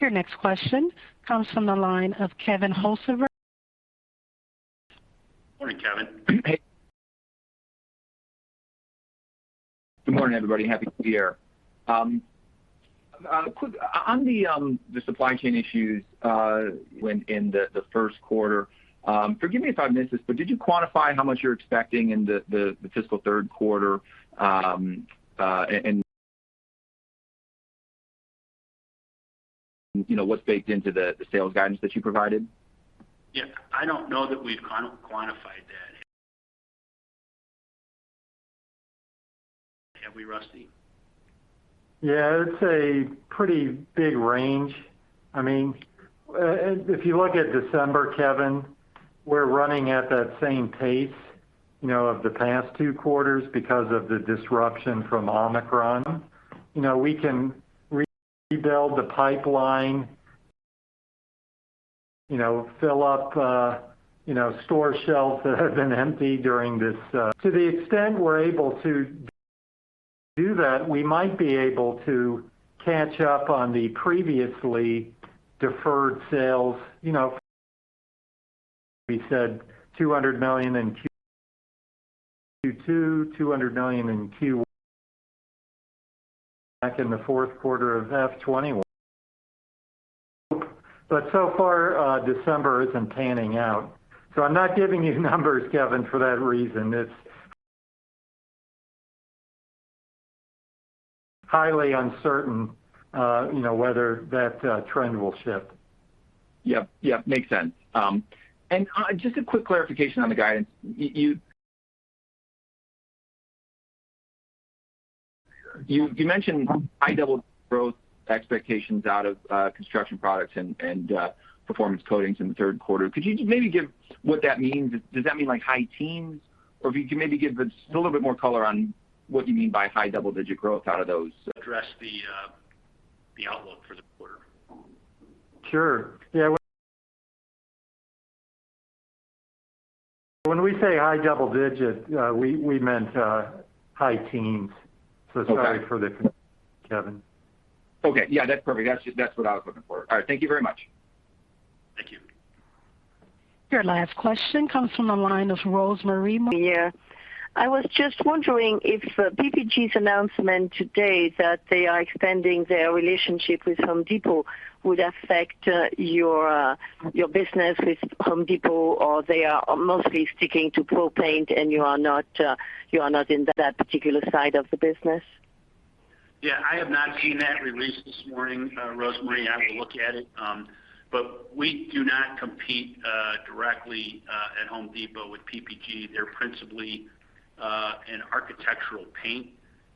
Your next question comes from the line of Kevin Hocevar. Morning, Kevin. Hey. Good morning, everybody. Happy New Year. Quick on the supply chain issues, when in the first quarter, forgive me if I missed this, but did you quantify how much you're expecting in the fiscal third quarter, and, you know, what's baked into the sales guidance that you provided? Yeah. I don't know that we've quantified that. Have we, Rusty? Yeah. It's a pretty big range. I mean, if you look at December, Kevin, we're running at that same pace, you know, of the past two quarters because of the disruption from Omicron. You know, we can rebuild the pipeline, you know, fill up, you know, store shelves that have been empty during this. To the extent we're able to do that, we might be able to catch up on the previously deferred sales. You know, we said $200 million in Q2 2022, $200 million in Q1 back in the fourth quarter of FY 2021. So far, December isn't panning out. So I'm not giving you numbers, Kevin, for that reason. It's highly uncertain, you know, whether that trend will shift. Yep. Makes sense. Just a quick clarification on the guidance. You mentioned high double-digit growth expectations out of Construction Products and Performance Coatings in the third quarter. Could you maybe give what that means? Does that mean, like, high teens? Or if you could maybe give a little bit more color on what you mean by high double-digit growth out of those? Address the outlook for the quarter. Sure. Yeah. When we say high double digit, we meant high teens. Okay. Sorry for the confusion, Kevin. Okay. Yeah, that's perfect. That's what I was looking for. All right. Thank you very much. Thank you. Your last question comes from the line of Rosemarie Morbelli. Yeah. I was just wondering if PPG's announcement today that they are extending their relationship with Home Depot would affect your business with Home Depot, or they are mostly sticking to pro paint and you are not in that particular side of the business? Yeah. I have not seen that release this morning, Rosemarie. I have to look at it. But we do not compete directly at Home Depot with PPG. They're principally an architectural paint,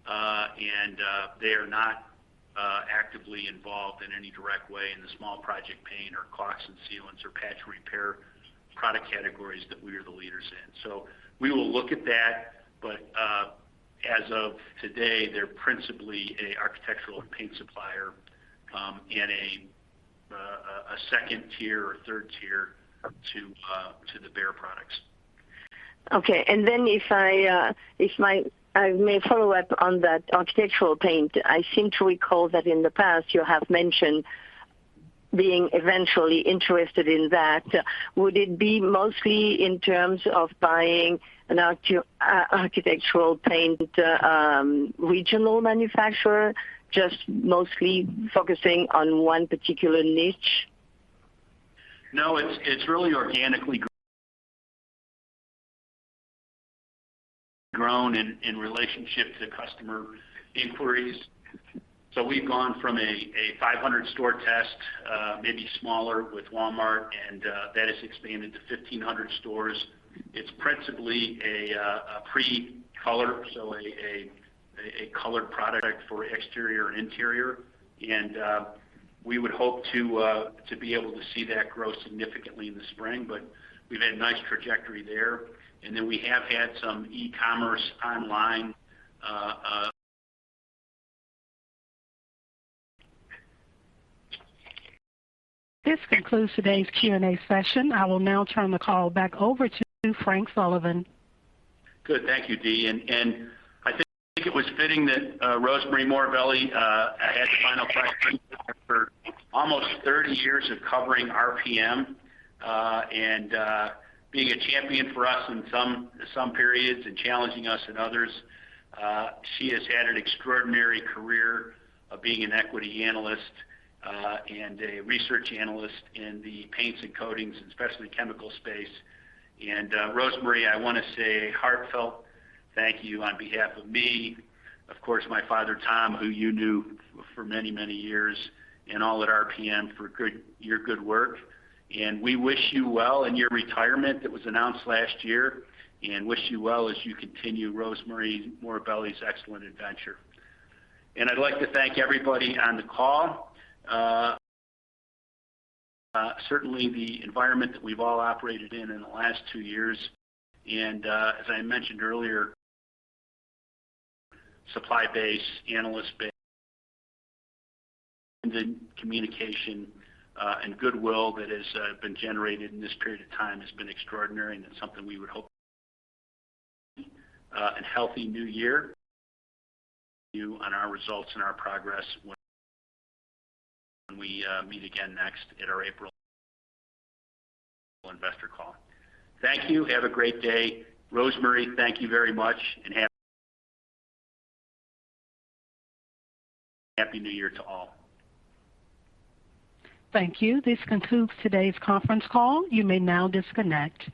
and they are not actively involved in any direct way in the small project paint or caulks and sealants or patch repair product categories that we are the leaders in. We will look at that, but as of today, they're principally an architectural paint supplier, and a second tier or third tier to the Behr products. Okay. If I may follow up on that architectural paint. I seem to recall that in the past you have mentioned being eventually interested in that. Would it be mostly in terms of buying an architectural paint, regional manufacturer, just mostly focusing on one particular niche? No. It's really organically grown in relationship to customer inquiries. We've gone from a 500-store test, maybe smaller, with Walmart, and that has expanded to 1,500 stores. It's principally a color product for exterior and interior. We would hope to be able to see that grow significantly in the spring, but we've had nice trajectory there. Then we have had some e-commerce online. This concludes today's Q&A session. I will now turn the call back over to Frank Sullivan. Good. Thank you, Dee. I think it was fitting that Rosemarie Morbelli had the final question after almost 30 years of covering RPM, and being a champion for us in some periods and challenging us in others. She has had an extraordinary career of being an equity analyst, and a research analyst in the paints and coatings and specialty chemical space. Rosemarie, I wanna say a heartfelt thank you on behalf of me, of course, my father, Tom, who you knew for many, many years, and all at RPM for your good work. We wish you well in your retirement that was announced last year and wish you well as you continue Rosemarie Morbelli's excellent adventure. I'd like to thank everybody on the call. Certainly the environment that we've all operated in in the last two years, and as I mentioned earlier, supply base, analyst base communication, and goodwill that has been generated in this period of time has been extraordinary, and it's something we would hope you have a healthy new year. We'll update you on our results and our progress when we meet again next at our April investor call. Thank you. Have a great day. Rosemarie, thank you very much, and have a happy New Year to all. Thank you. This concludes today's conference call. You may now disconnect.